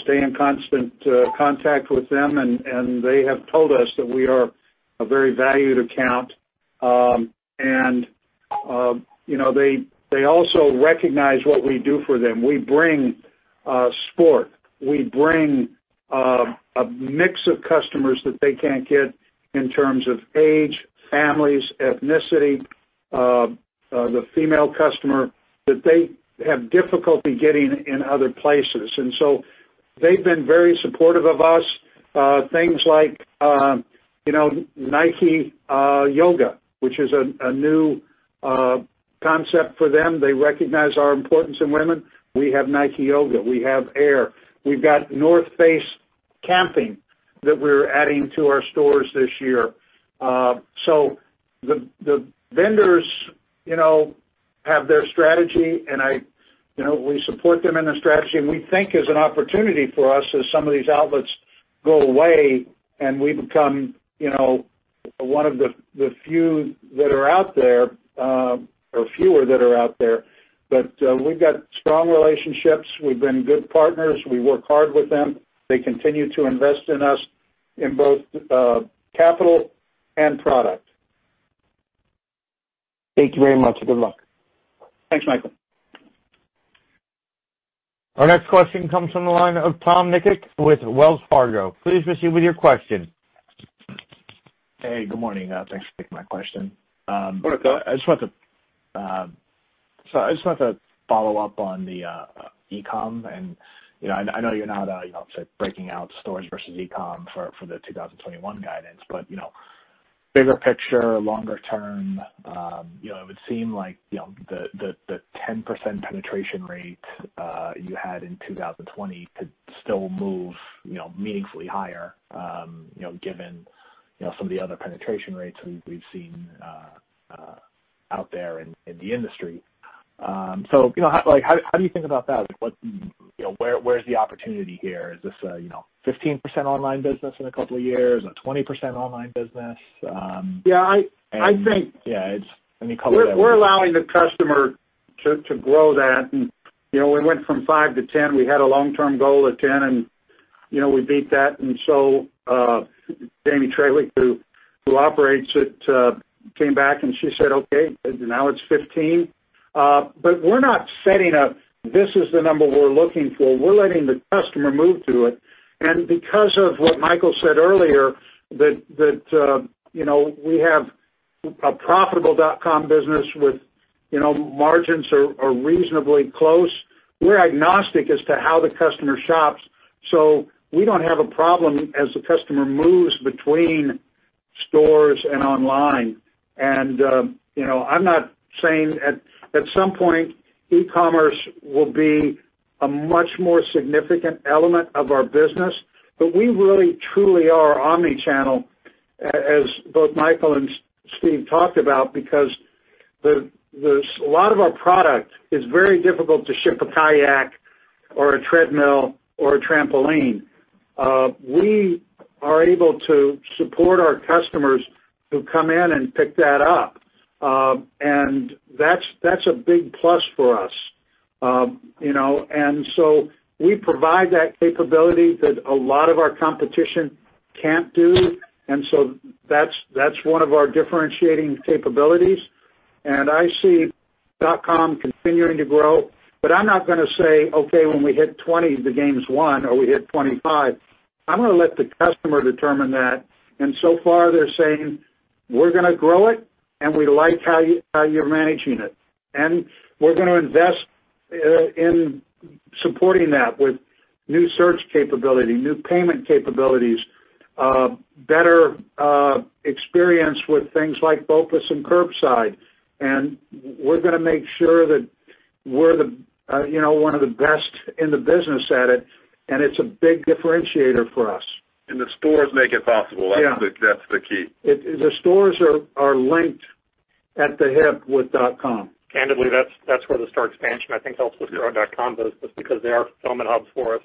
stay in constant contact with them, and they have told us that we are a very valued account. They also recognize what we do for them. We bring sport. We bring a mix of customers that they can't get in terms of age, families, ethnicity, the female customer, that they have difficulty getting in other places. They've been very supportive of us. Things like Nike Yoga, which is a new concept for them. They recognize our importance in women. We have Nike Yoga. We have Air. We've got North Face Camping that we're adding to our stores this year. The vendors have their strategy, and we support them in the strategy, and we think there's an opportunity for us as some of these outlets go away and we become one of the few that are out there, or fewer that are out there. We've got strong relationships. We've been good partners. We work hard with them. They continue to invest in us in both capital and product. Thank you very much, and good luck. Thanks, Michael. Our next question comes from the line of Tom Nikic with Wells Fargo. Please proceed with your question. Hey, good morning. Thanks for taking my question. Good morning, Tom. I just wanted to follow up on the e-com, and I know you're not breaking out stores versus e-com for the 2021 guidance, but bigger picture, longer term, it would seem like the 10% penetration rate you had in 2020 could still move meaningfully higher, given some of the other penetration rates we've seen out there in the industry. How do you think about that? Where's the opportunity here? Is this a 15% online business in a couple of years, a 20% online business? Yeah. Yeah, any color there would be great. We're allowing the customer to grow that and we went from five to 10. We had a long-term goal of 10, and we beat that. Jamie Traehy, who operates it, came back and she said, "Okay, now it's 15." We're not setting a this is the number we're looking for. We're letting the customer move to it. Because of what Michael said earlier, that we have a profitable dot-com business with margins are reasonably close, we're agnostic as to how the customer shops. We don't have a problem as the customer moves between stores and online. I'm not saying at some point e-commerce will be a much more significant element of our business, but we really truly are omni-channel, as both Michael and Steve talked about, because a lot of our product, it's very difficult to ship a kayak or a treadmill or a trampoline. We are able to support our customers who come in and pick that up. That's a big plus for us. We provide that capability that a lot of our competition can't do, and so that's one of our differentiating capabilities. I see dotcom continuing to grow, but I'm not going to say, "Okay, when we hit 20, the game's won," or we hit 25. I'm going to let the customer determine that. So far they're saying, "We're going to grow it, and we like how you're managing it." We're going to invest in supporting that with new search capability, new payment capabilities, better experience with things like BOPUS and curbside. We're going to make sure that we're one of the best in the business at it, and it's a big differentiator for us. The stores make it possible. Yeah. That's the key. The stores are linked at the hip with dotcom. Candidly, that's where the store expansion I think helps with growing dotcom business because they are fulfillment hubs for us,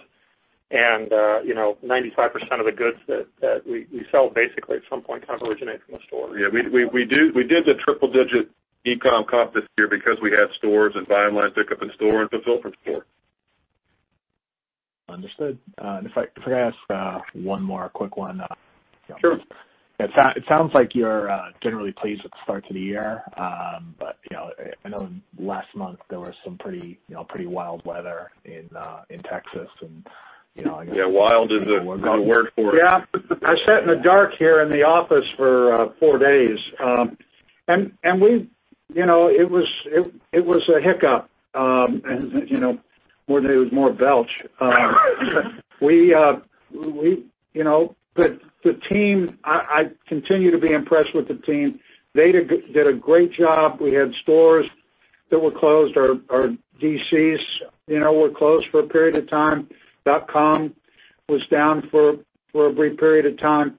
and 95% of the goods that we sell basically at some point kind of originate from a store. Yeah, we did the triple digit e-com comp this year because we have stores and buy online, pick up in store and fulfill from store. Understood. If I could ask one more quick one. Sure. It sounds like you're generally pleased with the start to the year. I know last month there was some pretty wild weather in Texas. Yeah, wild is a good word for it. Yeah. I sat in the dark here in the office for four days. It was a hiccup. It was more a belch. I continue to be impressed with the team. They did a great job. We had stores that were closed. Our DCs were closed for a period of time. Dotcom was down for a brief period of time.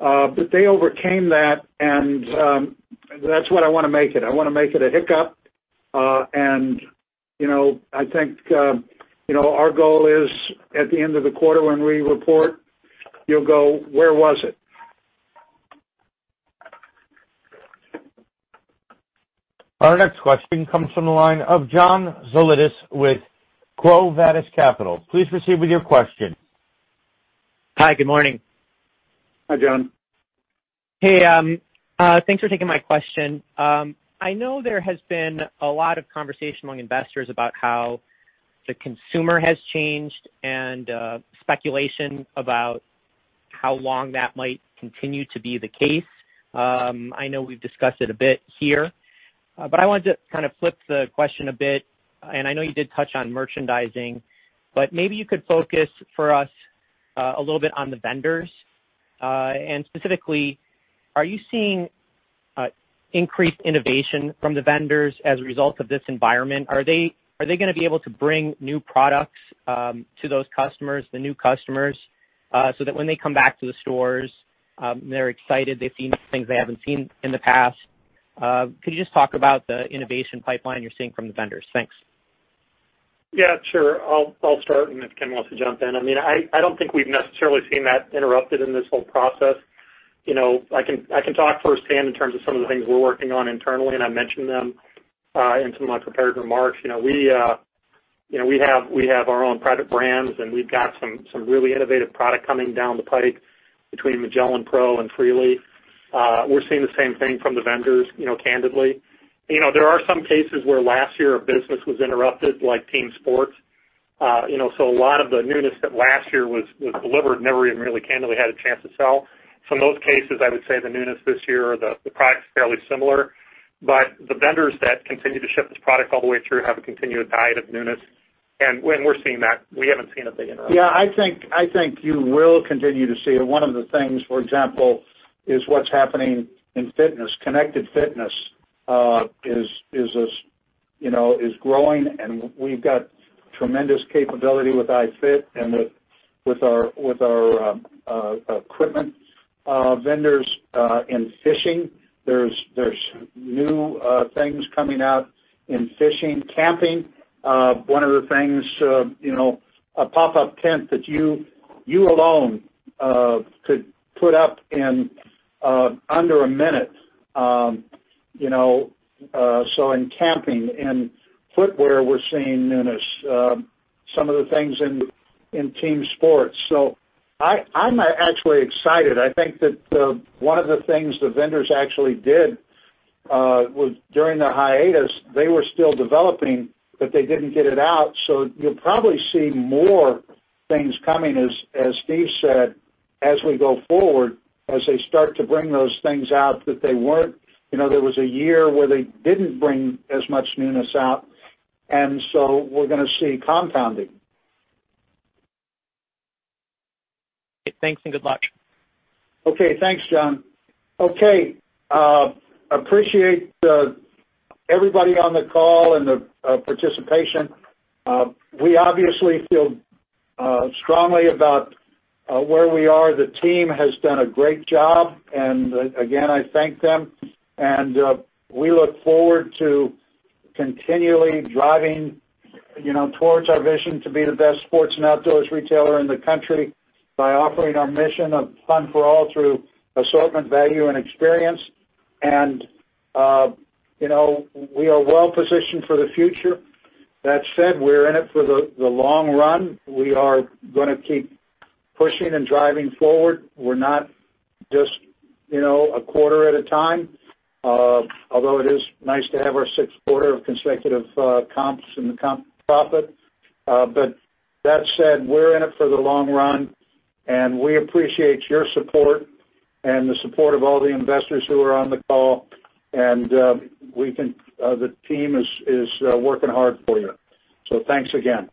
They overcame that, and that's what I want to make it. I want to make it a hiccup. I think our goal is at the end of the quarter when we report, you'll go, "Where was it? Our next question comes from the line of John Zolidis with Quo Vadis Capital. Please proceed with your question. Hi, good morning. Hi, John. Hey, thanks for taking my question. I know there has been a lot of conversation among investors about how the consumer has changed and speculation about how long that might continue to be the case. I know we've discussed it a bit here, but I wanted to kind of flip the question a bit, and I know you did touch on merchandising, but maybe you could focus for us a little bit on the vendors. Specifically, are you seeing increased innovation from the vendors as a result of this environment? Are they going to be able to bring new products to those customers, the new customers, so that when they come back to the stores, they're excited, they've seen things they haven't seen in the past? Could you just talk about the innovation pipeline you're seeing from the vendors? Thanks. Yeah, sure. I'll start, and if Ken wants to jump in. I don't think we've necessarily seen that interrupted in this whole process. I can talk firsthand in terms of some of the things we're working on internally, and I mentioned them in some of my prepared remarks. We have our own private brands, and we've got some really innovative product coming down the pipe between Magellan Pro and Freely. We're seeing the same thing from the vendors, candidly. There are some cases where last year our business was interrupted, like team sports. A lot of the newness that last year was delivered never even really candidly had a chance to sell. In those cases, I would say the newness this year, or the product's fairly similar. The vendors that continue to ship this product all the way through have a continuous diet of newness. When we're seeing that, we haven't seen a big interruption. I think you will continue to see, one of the things, for example, is what's happening in fitness. Connected fitness is growing, and we've got tremendous capability with iFIT and with our equipment vendors. In fishing, there's new things coming out in fishing. Camping, one of the things, a pop-up tent that you alone could put up in under a minute. In camping, in footwear, we're seeing newness. Some of the things in team sports. I'm actually excited. I think that one of the things the vendors actually did was during the hiatus, they were still developing, but they didn't get it out. You'll probably see more things coming, as Steve said, as we go forward, as they start to bring those things out. There was a year where they didn't bring as much newness out, and so we're going to see compounding. Thanks and good luck. Thanks, John. Appreciate everybody on the call and the participation. We obviously feel strongly about where we are. The team has done a great job. Again, I thank them. We look forward to continually driving towards our vision to be the best sports and outdoors retailer in the country by offering our mission of fun for all through assortment, value, and experience. We are well positioned for the future. That said, we're in it for the long run. We are going to keep pushing and driving forward. We're not just a quarter at a time. Although it is nice to have our sixth quarter of consecutive comps and the comp profit. That said, we're in it for the long run, and we appreciate your support and the support of all the investors who are on the call. The team is working hard for you. Thanks again.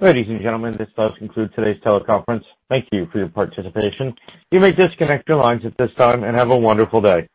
Ladies and gentlemen, this does conclude today's teleconference. Thank you for your participation. You may disconnect your lines at this time, and have a wonderful day.